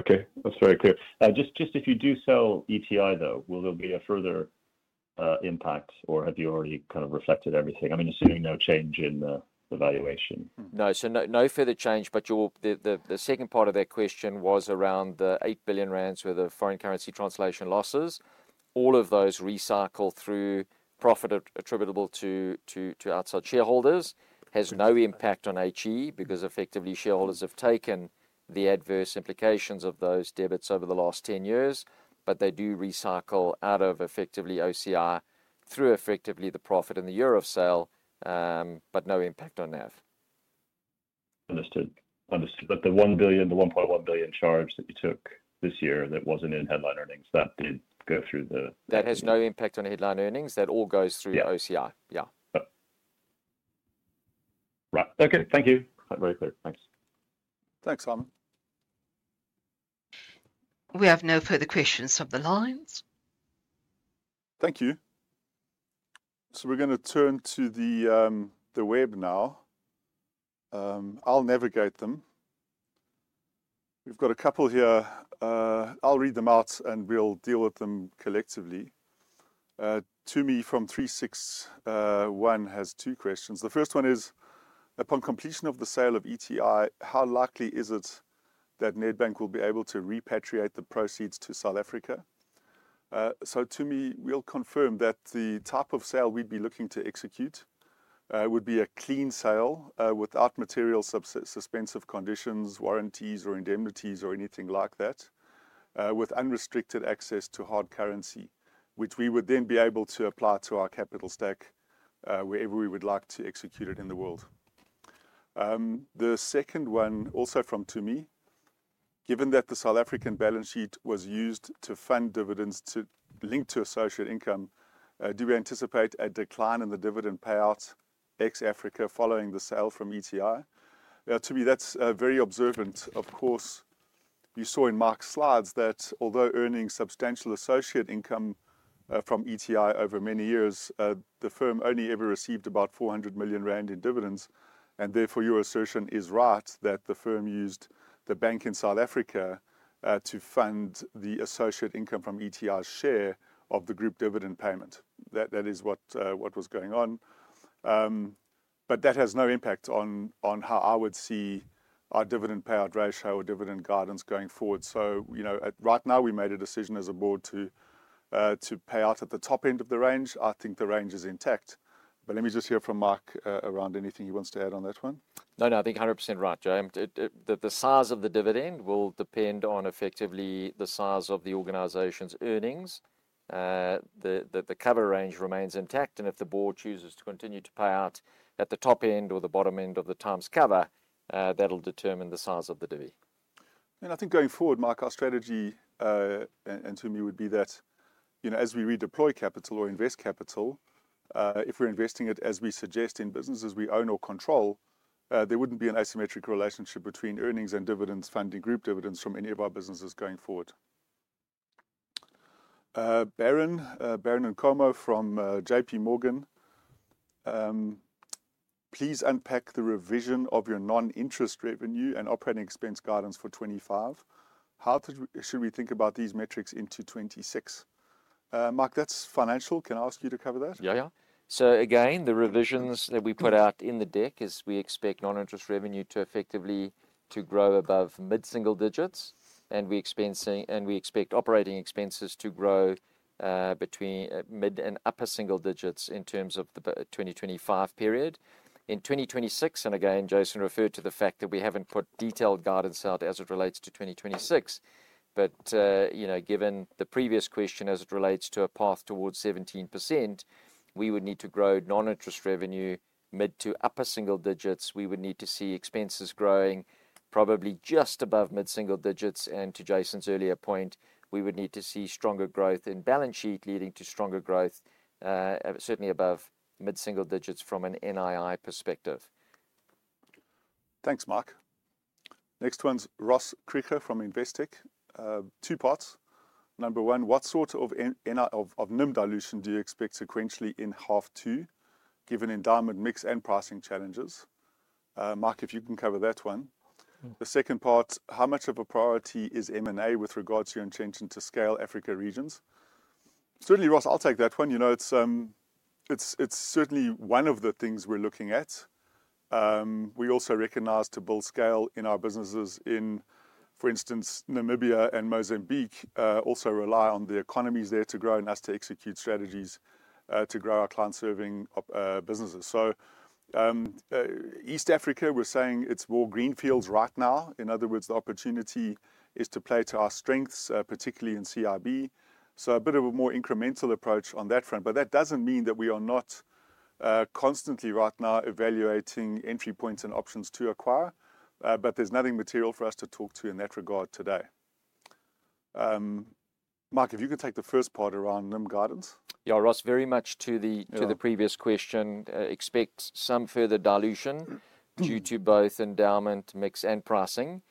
Okay, that's very clear. If you do sell ETI though, will there be a further impact or have you already kind of reflected everything? I mean, assuming no change in the valuation. No, no further change, but the second part of that question was around the 8 billion rand worth of foreign currency translation losses. All of those recycle through profit attributable to outside shareholders, has no impact on HE because effectively shareholders have taken the adverse implications of those debits over the last 10 years. They do recycle out of effectively OCR through the profit in the year of sale, but no impact on NAV. Understood. The 1 billion, the 1.1 billion charge that you took this year that wasn't in headline earnings, that did go through the... That has no impact on headline earnings. That all goes through the OCR. Yeah. Right. Okay, thank you. Very clear. Thanks. Thanks, Simon. We have no further questions on the lines. Thank you. We're going to turn to the web now. I'll navigate them. We've got a couple here. I'll read them out and we'll deal with them collectively. To me from 361 has two questions. The first one is, upon completion of the sale of Ecobank Transnational Incorporated, how likely is it that Nedbank Group Limited will be able to repatriate the proceeds to South Africa? To me, we'll confirm that the type of sale we'd be looking to execute would be a clean sale without material suspensive conditions, warranties, or indemnities, or anything like that, with unrestricted access to hard currency, which we would then be able to apply to our capital stack wherever we would like to execute it in the world. The second one, also from To Me, given that the South African balance sheet was used to fund dividends linked to associate income, do we anticipate a decline in the dividend payouts ex-Africa following the sale from Ecobank Transnational Incorporated? To me, that's very observant. You saw in Mark's slides that although earning substantial associate income from Ecobank Transnational Incorporated over many years, the firm only ever received about 400 million rand in dividends. Therefore, your assertion is right that the firm used the bank in South Africa to fund the associate income from Ecobank Transnational Incorporated's share of the group dividend payment. That is what was going on. That has no impact on how I would see our dividend payout ratio or dividend guidance going forward. Right now we made a decision as a board to pay out at the top end of the range. I think the range is intact. Let me just hear from Mike around anything he wants to add on that one. No, I think 100% right, Joe. The size of the dividend will depend on effectively the size of the organization's earnings. The cover range remains intact, and if the board chooses to continue to pay out at the top end or the bottom end of the terms cover, that'll determine the size of the dividend. I think going forward, Mike, our strategy and to me would be that, you know, as we redeploy capital or invest capital, if we're investing it, as we suggest, in businesses we own or control, there wouldn't be an asymmetric relationship between earnings and dividends funding group dividends from any of our businesses going forward. Barron and Carmo from JP Morgan, please unpack the revision of your non-interest revenue and operating expense guidance for 2025. How should we think about these metrics in 2026? Mike, that's financial. Can I ask you to cover that? The revisions that we put out in the deck is we expect non-interest revenue to effectively grow above mid-single digits, and we expect operating expenses to grow between mid and upper single digits in terms of the 2025 period. In 2026, Jason referred to the fact that we haven't put detailed guidance out as it relates to 2026, but given the previous question as it relates to a path towards 17%, we would need to grow non-interest revenue mid to upper single digits. We would need to see expenses growing probably just above mid-single digits, and to Jason's earlier point, we would need to see stronger growth in balance sheet leading to stronger growth, certainly above mid-single digits from an NII perspective. Thanks, Mike. Next one's Ross Cricher from Investec. Two parts. Number one, what sort of NIM dilution do you expect sequentially in half two, given endowment mix and pricing challenges? Mike, if you can cover that one. The second part, how much of a priority is M&A with regards to your intention to scale Africa regions? Certainly, Ross, I'll take that one. It's certainly one of the things we're looking at. We also recognize to build scale in our businesses in, for instance, Namibia and Mozambique also rely on the economies there to grow and us to execute strategies to grow our client-serving businesses. East Africa, we're saying it's more greenfields right now. In other words, the opportunity is to play to our strengths, particularly in CIB. A bit of a more incremental approach on that front. That doesn't mean that we are not constantly right now evaluating entry points and options to acquire. There's nothing material for us to talk to in that regard today. Mike, if you could take the first part around NIM guidance. Yeah, Ross, very much to the previous question, expect some further dilution due to both endowment mix and pricing.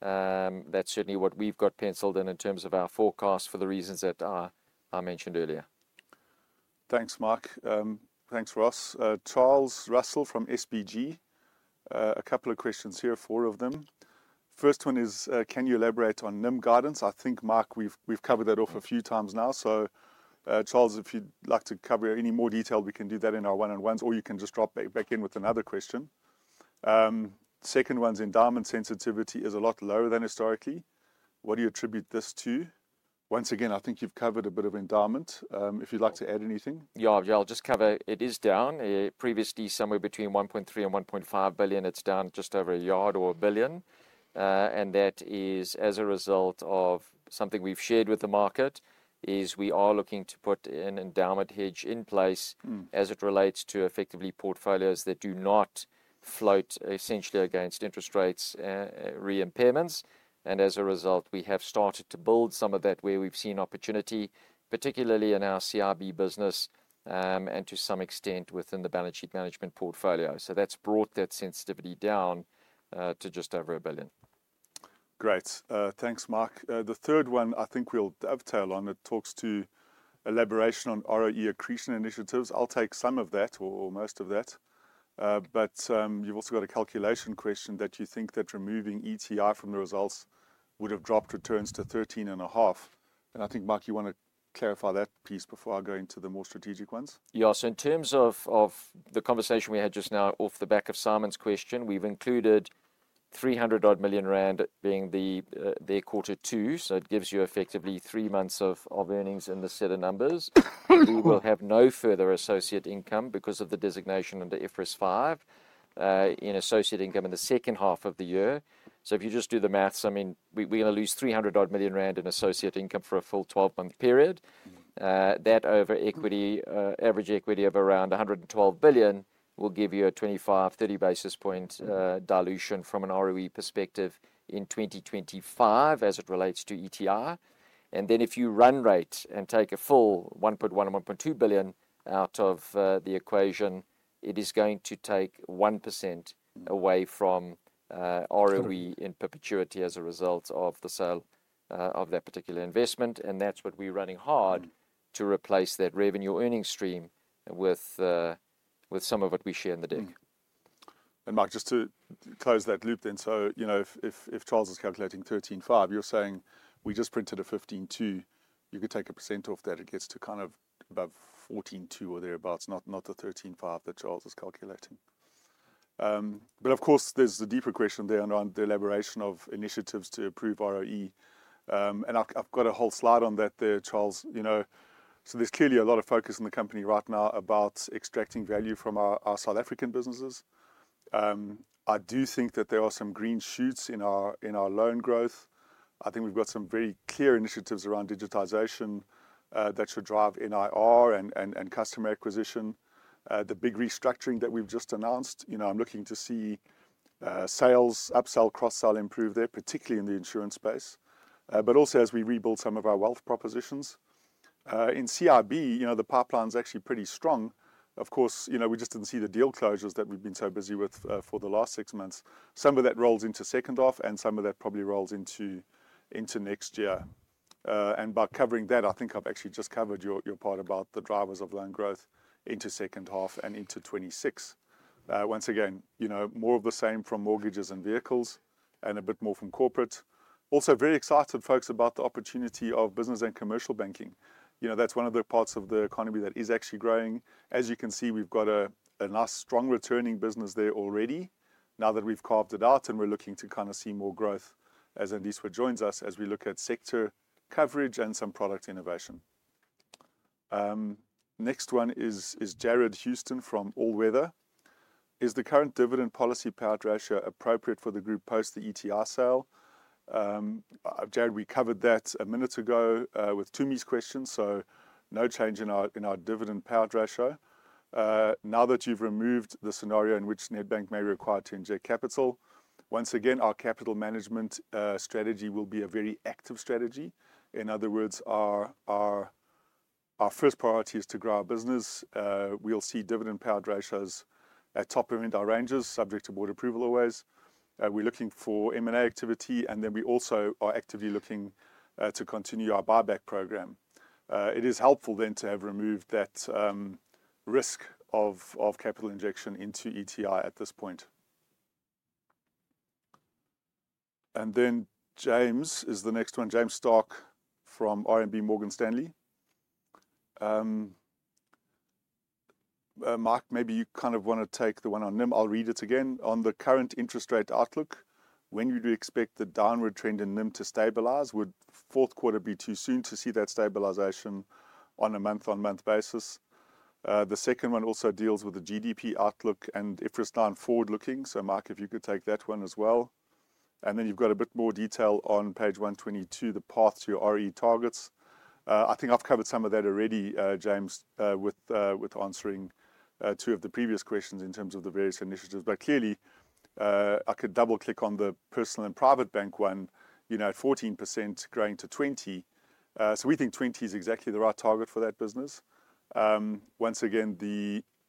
That's certainly what we've got penciled in in terms of our forecast for the reasons that I mentioned earlier. Thanks, Mike. Thanks, Ross. Charles Russell from SBG, a couple of questions here, four of them. First one is, can you elaborate on NIM guidance? I think, Mike, we've covered that off a few times now. Charles, if you'd like to cover any more detail, we can do that in our one-on-ones, or you can just drop back in with another question. Second one's endowment sensitivity is a lot lower than historically. What do you attribute this to? Once again, I think you've covered a bit of endowment. If you'd like to add anything. Yeah, I'll just cover. It is down. Previously, somewhere between RZAR 1.3 billion and 1.5 billion, it's down just over a yard or a billion. That is as a result of something we've shared with the market, we are looking to put an endowment hedge in place as it relates to effectively portfolios that do not float essentially against interest rates and re-impairments. As a result, we have started to build some of that where we've seen opportunity, particularly in our CIB business and to some extent within the balance sheet management portfolio. That's brought that sensitivity down to just over a billion. Great, thanks, Mike. The third one I think we'll dovetail on. It talks to elaboration on ROE accretion initiatives. I'll take some of that or most of that. You've also got a calculation question that you think that removing ETI from the results would have dropped returns to 13.5%. I think, Mike, you want to clarify that piece before I go into the more strategic ones. Yeah, in terms of the conversation we had just now off the back of Simon's question, we've included 300 million rand odd being their quarter two. It gives you effectively three months of earnings in the set of numbers. We will have no further associate income because of the designation under IFRS 5 in associate income in the second half of the year. If you just do the maths, we're going to lose 300 million rand odd in associate income for a full 12-month period. That over. Equity, Average equity of around 112 billion will give you a 25 basis points-30 basis point dilution from an ROE perspective in 2025 as it relates to ETI. If you run rates and take a full RZAR 1.1 billion and 1.2 billion out of the equation, it is going to take 1% away from ROE in perpetuity as a result of the sale of that particular investment. That's what we're running hard to replace, that revenue earning stream with some of what we share in the deck. Mike, just to close that loop then, if Charles is calculating 13.5%, you're saying we just printed a 15.2%, you could take a percent off that, it gets to kind of above 14.2% or thereabouts, not the 13.5% that Charles is calculating. Of course, there's a deeper question there around deliberation of initiatives to improve ROE. I've got a whole slide on that there, Charles. There's clearly a lot of focus in the company right now about extracting value from our South African businesses. I do think that there are some green shoots in our loan growth. I think we've got some very clear initiatives around digitization that should drive NIR and customer acquisition. The big restructuring that we've just announced, I'm looking to see sales, upsell, cross-sell improve there, particularly in the insurance space, but also as we rebuild some of our wealth propositions. In CIB, the pipeline's actually pretty strong. Of course, we just didn't see the deal closures that we've been so busy with for the last six months. Some of that rolls into second half and some of that probably rolls into next year. By covering that, I think I've actually just covered your part about the drivers of loan growth into second half and into 2026. Once again, more of the same from mortgages and vehicles and a bit more from corporate. Also, very excited folks about the opportunity of Business and Commercial Banking. That's one of the parts of the economy that is actually growing. As you can see, we've got a nice strong returning business there already. Now that we've carved it out and we're looking to kind of see more growth as Andiswa joins us as we look at sector coverage and some product innovation. Next one is Jared Houston from All Weather. Is the current dividend policy payout ratio appropriate for the group post the ETI sale? Jared, we covered that a minute ago with Toomey's question, so no change in our dividend payout ratio. Now that you've removed the scenario in which Nedbank may require to inject capital, once again, our capital management strategy will be a very active strategy. In other words, our first priority is to grow our business. We'll see dividend payout ratios at top percentile ranges, subject to board approval always. We're looking for M&A activity and then we also are actively looking to continue our buyback program. It is helpful then to have removed that risk of capital injection into Ecobank Transnational Incorporated at this point. James is the next one, James Stark from RMB Morgan Stanley. Mike, maybe you want to take the one on NIM. I'll read it again. On the current interest rate outlook, when would you expect the downward trend in NIM to stabilize? Would fourth quarter be too soon to see that stabilization on a month-on-month basis? The second one also deals with the GDP outlook and if we're starting forward looking, so Mike, if you could take that one as well. You've got a bit more detail on page 122, the path to your ROE targets. I think I've covered some of that already, James, with answering two of the previous questions in terms of the various initiatives. I could double click on the Personal and Private Banking one, at 14% growing to 20%. We think 20% is exactly the right target for that business.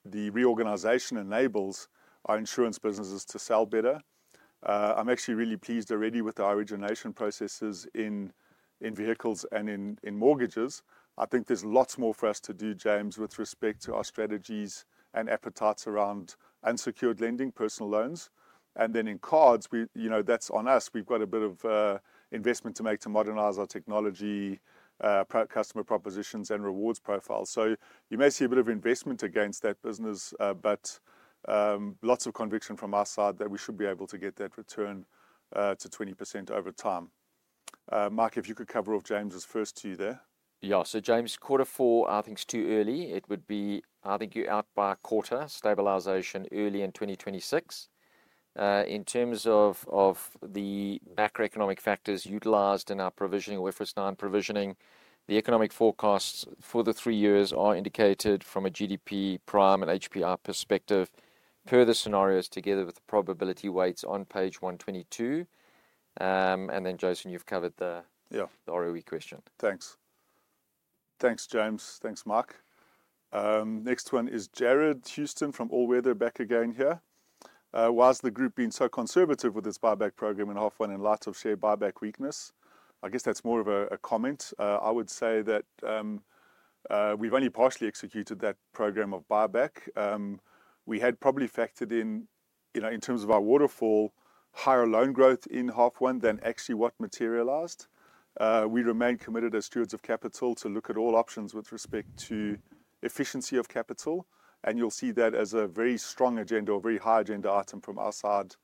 The reorganization enables our insurance businesses to sell better. I'm actually really pleased already with the origination processes in vehicles and in home loans. I think there's lots more for us to do, James, with respect to our strategies and efforts around unsecured lending, personal loans. In cards, that's on us. We've got a bit of investment to make to modernize our technology, customer propositions, and rewards profile. You may see a bit of investment against that business, but lots of conviction from our side that we should be able to get that return to 20% over time. Mike, if you could cover off James's first two there. Yeah, so James, quarter four, I think is too early. It would be, I think you're out by a quarter, stabilization early in 2026. In terms of the macroeconomic factors utilized in our provisioning, if we're starting provisioning, the economic forecasts for the three years are indicated from a GDP, prime, and HPR perspective per the scenarios together with the probability weights on page 122. Jason, you've covered the ROE question. Thanks. Thanks, James. Thanks, Mike. Next one is Jared Houston from All Weather back again here. Why has the group been so conservative with this buyback program in half one and lots of share buyback weakness? I guess that's more of a comment. I would say that we've only partially executed that program of buyback. We had probably factored in, you know, in terms of our waterfall, higher loan growth in half one than actually what materialized. We remain committed as stewards of capital to look at all options with respect to efficiency of capital. You'll see that as a very strong agenda or very high agenda item from our side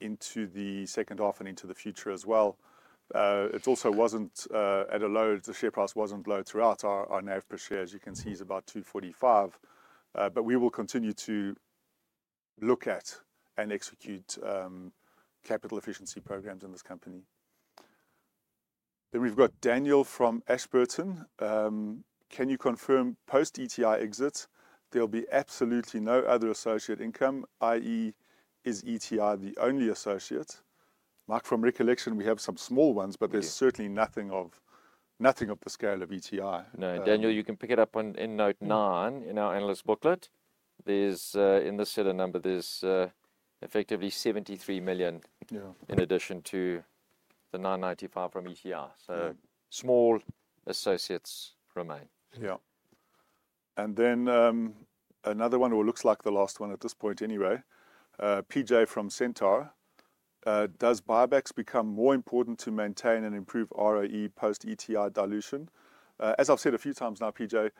into the second half and into the future as well. It also wasn't at a low. The share price wasn't low throughout. Our NAV per share, as you can see, is about 245. We will continue to look at and execute capital efficiency programs in this company. We've got Daniel from Ashburton. Can you confirm post ETI exit, there'll be absolutely no other associate income, i.e., is ETI the only associate? Mike from recollection, we have some small ones, but there's certainly nothing of the scale of ETI. No, Daniel, you can pick it up on Endnote 9 in our analyst booklet. In the set of numbers, there's effectively 73 million, yeah, in addition to the 995 million from ETI. So small associates remain. Yeah. Another one, or it looks like the last one at this point anyway, PJ from Centaur. Does buybacks become more important to maintain and improve ROE post ETI dilution? As I've said a few times now, PJ,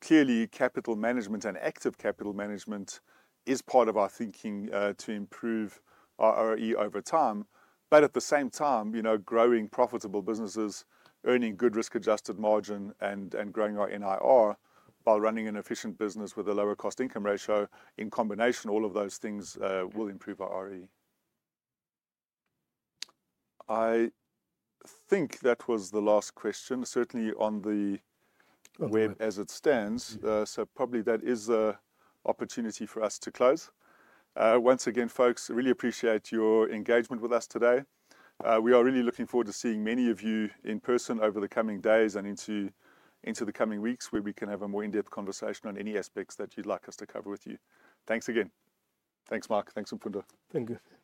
clearly capital management and active capital management is part of our thinking to improve our ROE over time. At the same time, you know, growing profitable businesses, earning good risk-adjusted margin, and growing our NIR while running an efficient business with a lower cost-to-income ratio, in combination, all of those things will improve our ROE. I think that was the last question, certainly on the web as it stands. That is an opportunity for us to close. Once again, folks, I really appreciate your engagement with us today. We are really looking forward to seeing many of you in person over the coming days and into the coming weeks where we can have a more in-depth conversation on any aspects that you'd like us to cover with you. Thanks again. Thanks, Mike. Thanks, Mpundo. Thank you. Thanks.